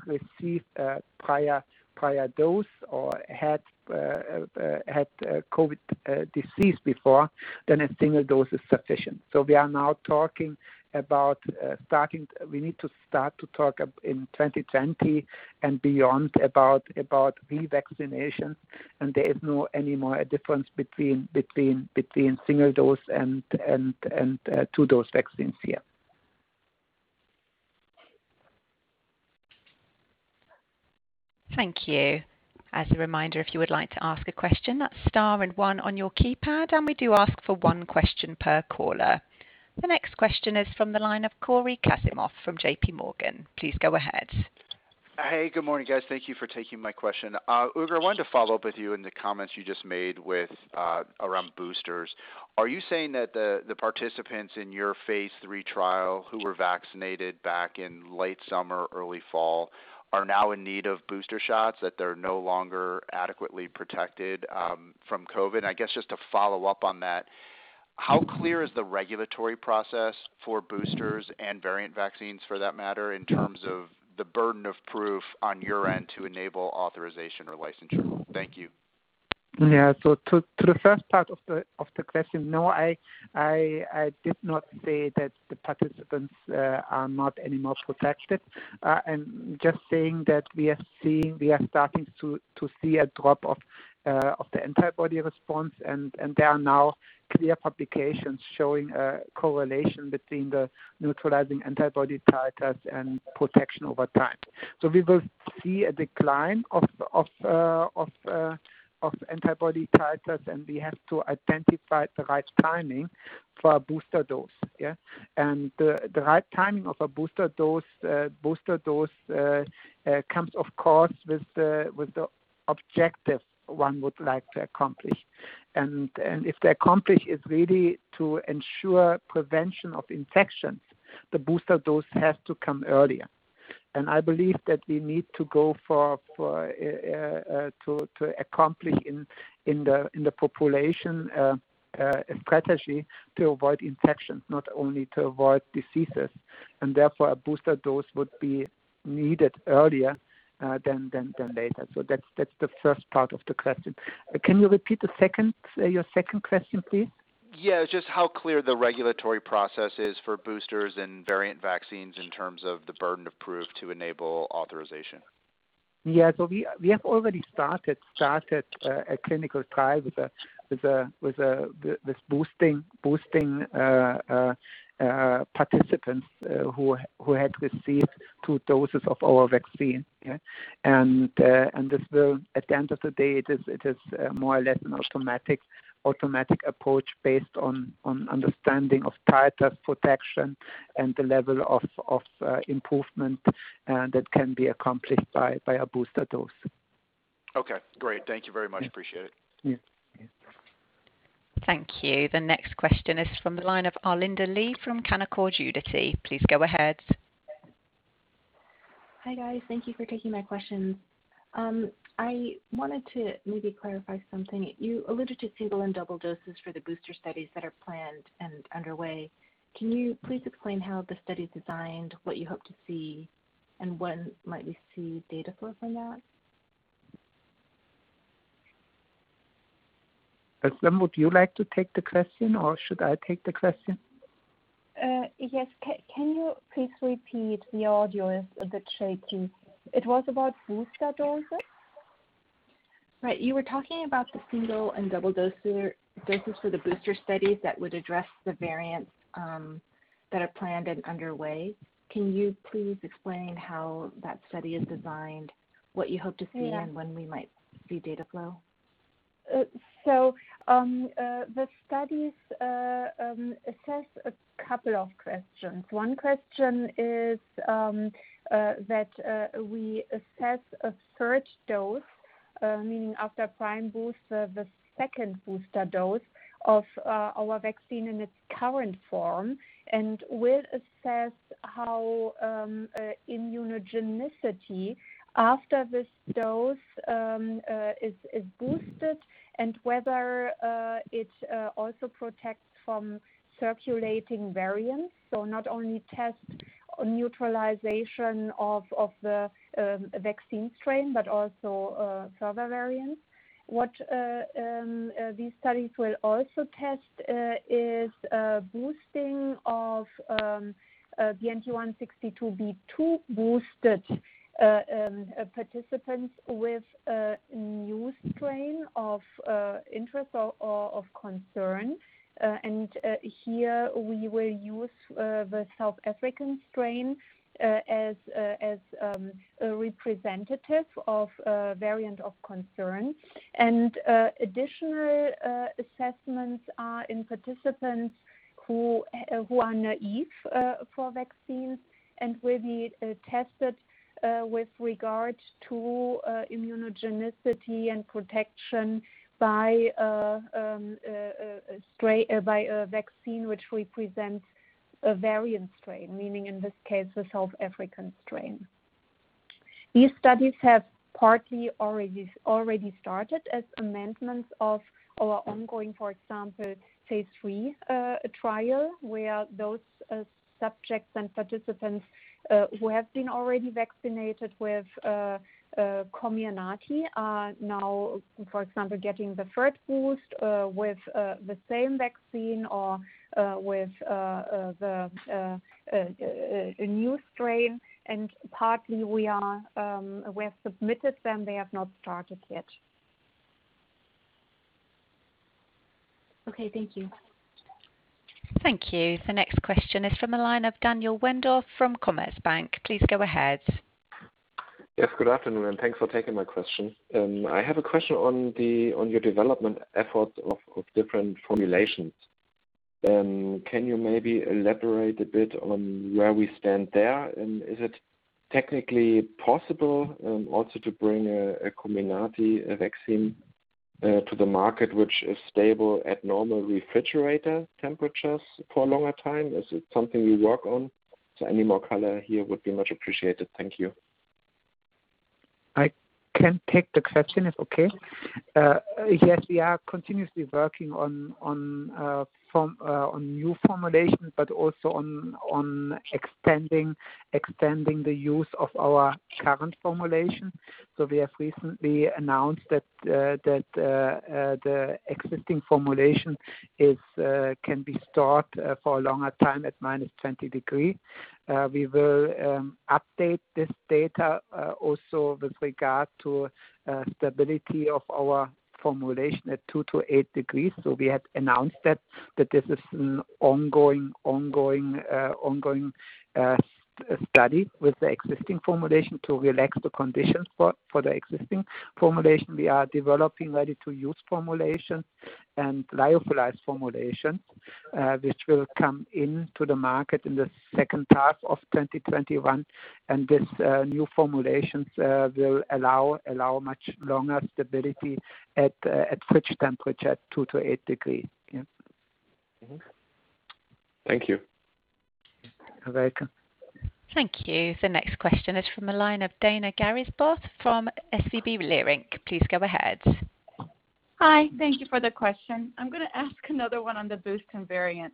received a prior dose or had COVID disease before, then a single dose is sufficient. We need to start to talk in 2020 and beyond about revaccination, and there is no more difference between single dose and two-dose vaccines here. Thank you. As a reminder, if you would like to ask a question, that's star and one on your keypad, and we do ask for one question per caller. The next question is from the line of Cory Kasimov from JPMorgan. Please go ahead. Hey, good morning, guys. Thank you for taking my question. Uğur, I wanted to follow up with you in the comments you just made around boosters. Are you saying that the participants in your phase III trial who were vaccinated back in late summer, early fall, are now in need of booster shots, that they're no longer adequately protected from COVID? I guess just to follow up on that, how clear is the regulatory process for boosters and variant vaccines, for that matter, in terms of the burden of proof on your end to enable authorization or licensure? Thank you. To the first part of the question, no, I did not say that the participants are not anymore protected. I'm just saying that we are starting to see a drop of the antibody response, and there are now clear publications showing a correlation between the neutralizing antibody titers and protection over time. We will see a decline of antibody titers, and we have to identify the right timing for a booster dose. The right timing of a booster dose comes, of course, with the objective one would like to accomplish. If the accomplish is really to ensure prevention of infections, the booster dose has to come earlier. I believe that we need to go to accomplish in the population strategy to avoid infections, not only to avoid diseases. Therefore, a booster dose would be needed earlier than later. That's the first part of the question. Can you repeat your second question, please? Yeah. Just how clear the regulatory process is for boosters and variant vaccines in terms of the burden of proof to enable authorization. Yeah. We have already started a clinical trial with this boosting participants who had received two doses of our vaccine. Yeah. At the end of the day, it is more or less an automatic approach based on understanding of titer protection and the level of improvement that can be accomplished by a booster dose. Okay, great. Thank you very much. Appreciate it. Yeah. Thank you. The next question is from the line of Arlinda Lee from Canaccord Genuity. Please go ahead. Hi, guys. Thank you for taking my questions. I wanted to maybe clarify something. You alluded to single and double doses for the booster studies that are planned and underway. Can you please explain how the study's designed, what you hope to see, and when might we see data flow from that? Özlem, would you like to take the question, or should I take the question? Yes. Can you please repeat? The audio is a bit shaky. It was about booster doses? Right. You were talking about the single and double doses for the booster studies that would address the variants that are planned and underway. Can you please explain how that study is designed, what you hope to see? Yeah When we might see data flow? The studies assess a couple of questions. One question is that we assess a third dose, meaning after prime boost, the second booster dose of our vaccine in its current form and will assess how immunogenicity after this dose is boosted and whether it also protects from circulating variants. Not only test neutralization of the vaccine strain, but also further variants. What these studies will also test is boosting of BNT162b2 boosted participants with a new strain of interest or of concern. Here we will use the South African strain as a representative of variant of concern. Additional assessments are in participants who are naive for vaccines and will be tested with regard to immunogenicity and protection by a vaccine which represents a variant strain, meaning in this case, the South African strain. These studies have partly already started as amendments of our ongoing, for example, phase III trial, where those subjects and participants who have been already vaccinated with COMIRNATY are now, for example, getting the third boost with the same vaccine or with a new strain, and partly we have submitted them. They have not started yet. Okay. Thank you. Thank you. The next question is from the line of Daniel Wendorff from Commerzbank. Please go ahead. Yes, good afternoon, and thanks for taking my question. I have a question on your development efforts of different formulations. Can you maybe elaborate a bit on where we stand there? Is it technically possible also to bring a COMIRNATY vaccine to the market, which is stable at normal refrigerator temperatures for a longer time? Is it something we work on? Any more color here would be much appreciated. Thank you. I can take the question, if okay. Yes, we are continuously working on new formulations, but also on extending the use of our current formulation. We have recently announced that the existing formulation can be stored for a longer time at -20 degrees. We will update this data also with regard to stability of our formulation at 2-8 degrees. We had announced that this is an ongoing study with the existing formulation to relax the conditions for the existing formulation. We are developing ready-to-use formulation and lyophilized formulation, which will come into the market in the second half of 2021. These new formulations will allow much longer stability at fridge temperature, 2-8 degrees. Thank you. You're welcome. Thank you. The next question is from the line of Daina Graybosch from SVB Leerink. Please go ahead. Hi. Thank you for the question. I'm going to ask another one on the boost and variant.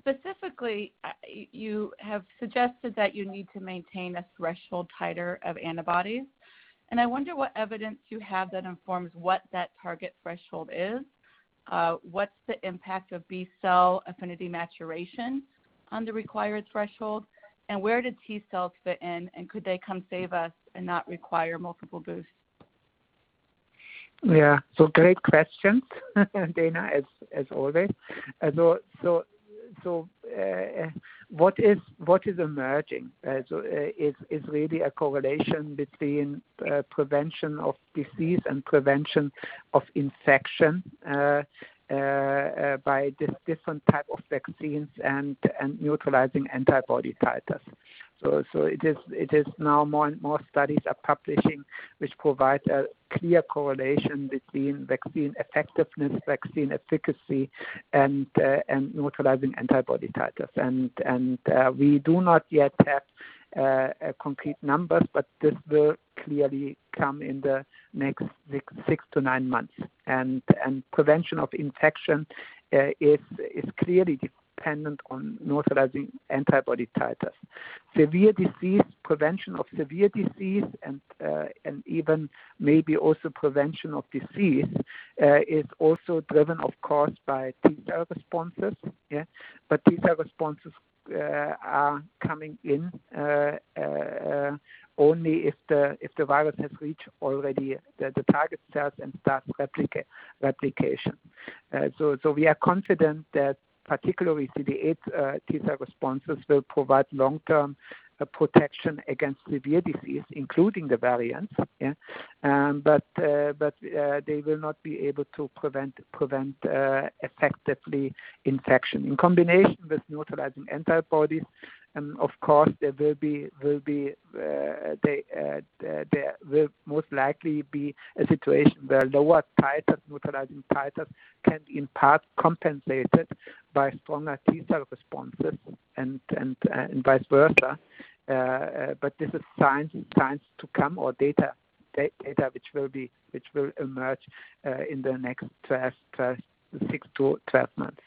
Specifically, you have suggested that you need to maintain a threshold titer of antibodies, and I wonder what evidence you have that informs what that target threshold is. What's the impact of B cell affinity maturation on the required threshold, and where do T cells fit in, and could they come save us and not require multiple boosts? Great questions, Daina, as always. What is emerging is really a correlation between prevention of disease and prevention of infection by different type of vaccines and neutralizing antibody titers. We do not yet have complete numbers, but this will clearly come in the next 6-9 months. Prevention of infection is clearly dependent on neutralizing antibody titers. Prevention of severe disease and even maybe also prevention of disease is also driven, of course, by T cell responses. T cell responses are coming in only if the virus has reached already the target cells and starts replication. We are confident that particularly CD8 T cell responses will provide long-term protection against severe disease, including the variants. They will not be able to prevent effectively infection. In combination with neutralizing antibodies, of course, there will most likely be a situation where lower titers, neutralizing titers, can in part compensate it by stronger T cell responses and vice versa. This is science to come or data which will emerge in the next six to 12 months.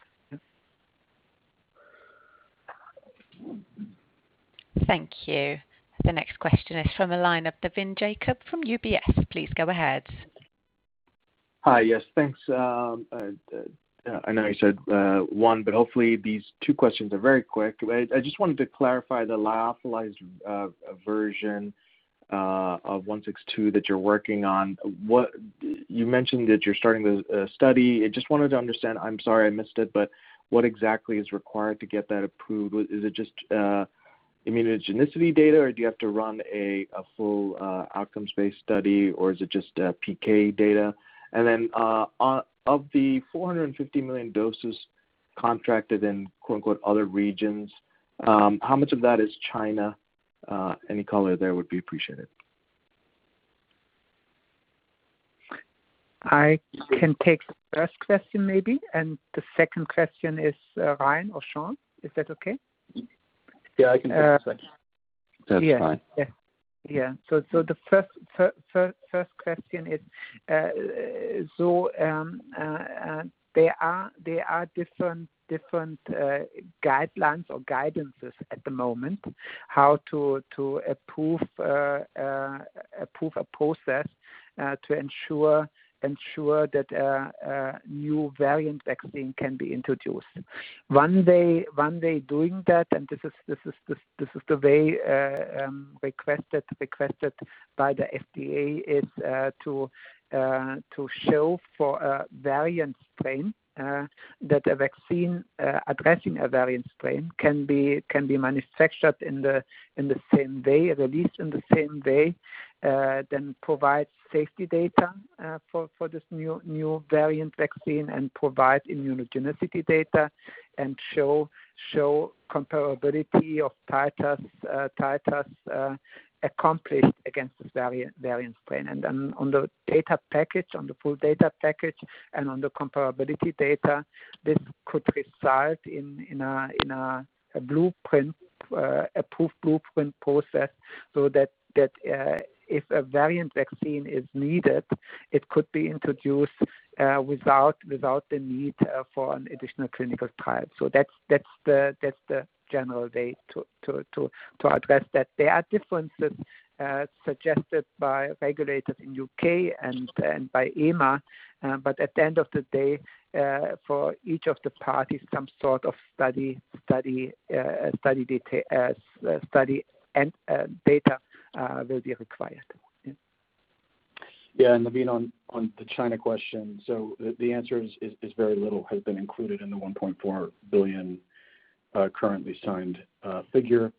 Yeah. Thank you. The next question is from the line of Navin Jacob from UBS. Please go ahead. Hi. Yes, thanks. I know you said one, hopefully these two questions are very quick. I just wanted to clarify the lyophilized version of BNT162b2 that you're working on. You mentioned that you're starting the study. I just wanted to understand, I'm sorry I missed it, but what exactly is required to get that approved? Is it just immunogenicity data, or do you have to run a full outcomes-based study, or is it just PK data? Of the 450 million doses contracted in quote unquote other regions, how much of that is China? Any color there would be appreciated. I can take the first question maybe, and the second question is Ryan or Sean. Is that okay? Yeah, I can take the second. That's fine. Yeah. The first question is, there are different guidelines or guidances at the moment how to approve a process to ensure that a new variant vaccine can be introduced. One way of doing that, and this is the way requested by the FDA, is to show for a variant strain that a vaccine addressing a variant strain can be manufactured in the same way, at least in the same way, then provide safety data for this new variant vaccine and provide immunogenicity data and show comparability of titers accomplished against this variant strain. On the data package, on the full data package and on the comparability data, this could result in a blueprint, approved blueprint process so that if a variant vaccine is needed, it could be introduced without the need for an additional clinical trial. That's the general way to address that. There are differences suggested by regulators in U.K. and by EMA, but at the end of the day, for each of the parties, some sort of study data will be required. Yeah. Navin, on the China question, the answer is very little has been included in the 1.4 billion doses currently signed figure.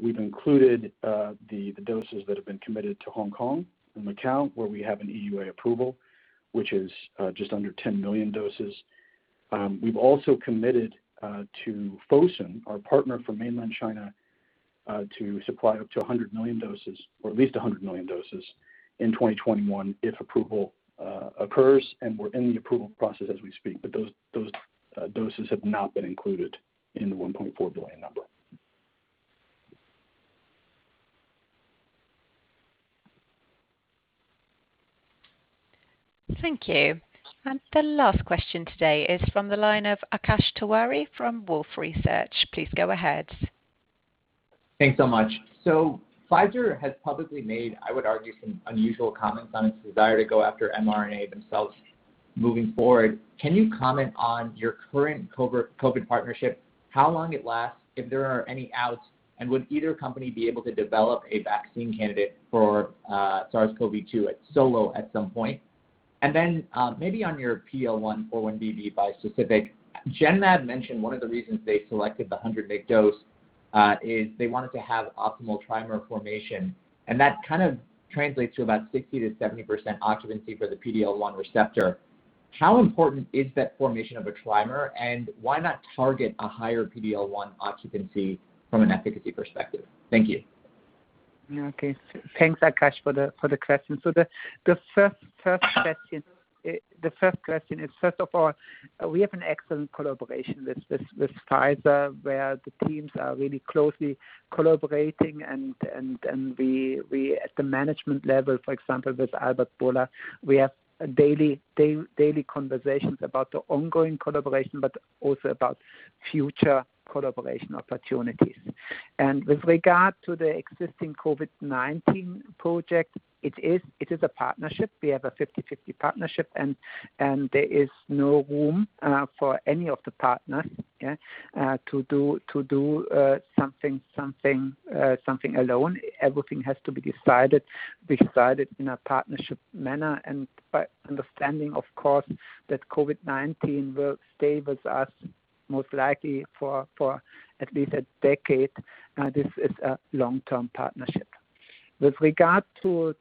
We've included the doses that have been committed to Hong Kong and Macau, where we have an EUA approval, which is just under 10 million doses. We've also committed to Fosun, our partner from mainland China, to supply up to 100 million doses or at least 100 million doses in 2021 if approval occurs, we're in the approval process as we speak. Those doses have not been included in the 1.4 billion number. Thank you. The last question today is from the line of Akash Tewari from Wolfe Research. Please go ahead. Thanks so much. Pfizer has publicly made, I would argue, some unusual comments on its desire to go after mRNA themselves moving forward. Can you comment on your current COVID partnership, how long it lasts, if there are any outs, and would either company be able to develop a vaccine candidate for SARS-CoV-2 solo at some point? Maybe on your PD-L1x4-1BB bispecific, Genmab mentioned one of the reasons they selected the 100 mg dose is they wanted to have optimal trimer formation, and that kind of translates to about 60%-70% occupancy for the PD-L1 receptor. How important is that formation of a trimer, and why not target a higher PD-L1 occupancy from an efficacy perspective? Thank you. Okay. Thanks, Akash, for the question. The first question is, first of all, we have an excellent collaboration with Pfizer, where the teams are really closely collaborating and we at the management level, for example, with Albert Bourla, we have daily conversations about the ongoing collaboration, but also about future collaboration opportunities. With regard to the existing COVID-19 project, it is a partnership. We have a 50/50 partnership, and there is no room for any of the partners, yeah, to do something alone. Everything has to be decided in a partnership manner and by understanding, of course, that COVID-19 will stay with us most likely for at least a decade. This is a long-term partnership. With regard to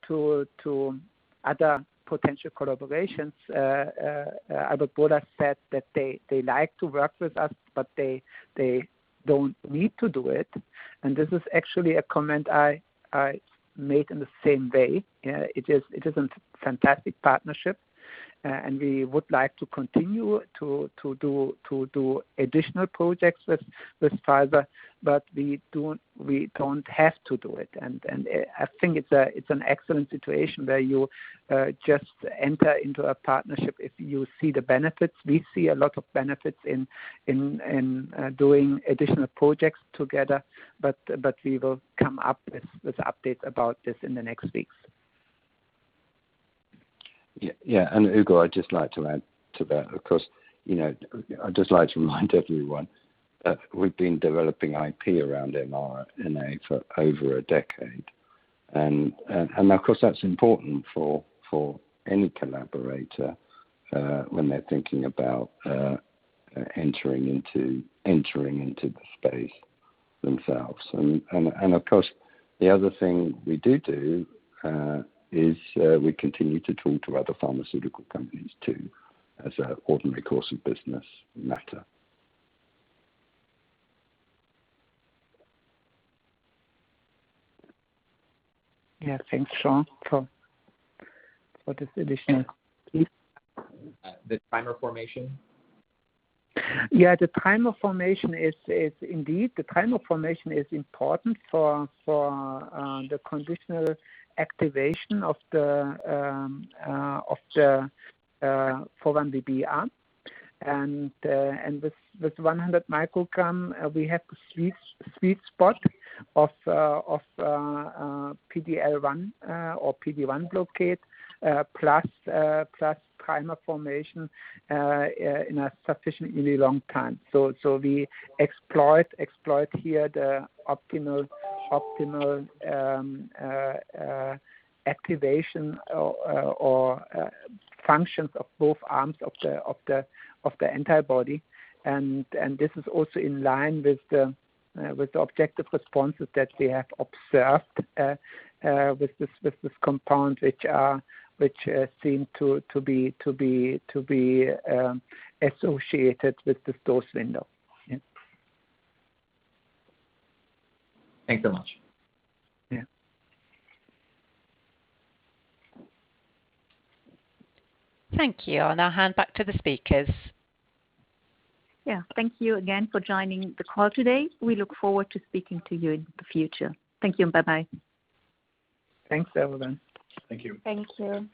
other potential collaborations, Albert Bourla said that they like to work with us, but they don't need to do it. This is actually a comment I made in the same way. It is a fantastic partnership, and we would like to continue to do additional projects with Pfizer, but we don't have to do it. I think it's an excellent situation where you just enter into a partnership if you see the benefits. We see a lot of benefits in doing additional projects together, but we will come up with updates about this in the next weeks. Yeah. Uğur, I'd just like to add to that, of course, I'd just like to remind everyone that we've been developing IP around mRNA for over a decade. Of course, that's important for any collaborator when they're thinking about entering into the space themselves. Of course, the other thing we do is we continue to talk to other pharmaceutical companies, too, as an ordinary course of business matter. Yeah, thanks, Sean, for this additional piece. The trimer formation? Indeed, the trimer formation is important for the conditional activation of the PD-L1x4-1BB arm. With 100 mg, we have the sweet spot of PD-L1 or PD-1 blockade, plus trimer formation in a sufficiently long time. We exploit here the optimal activation or functions of both arms of the antibody. This is also in line with the objective responses that we have observed with this compound, which seem to be associated with this dose window. Thanks so much. Yeah. Thank you. I'll hand back to the speakers. Yeah. Thank you again for joining the call today. We look forward to speaking to you in the future. Thank you and bye-bye. Thanks, everyone. Thank you. Thank you.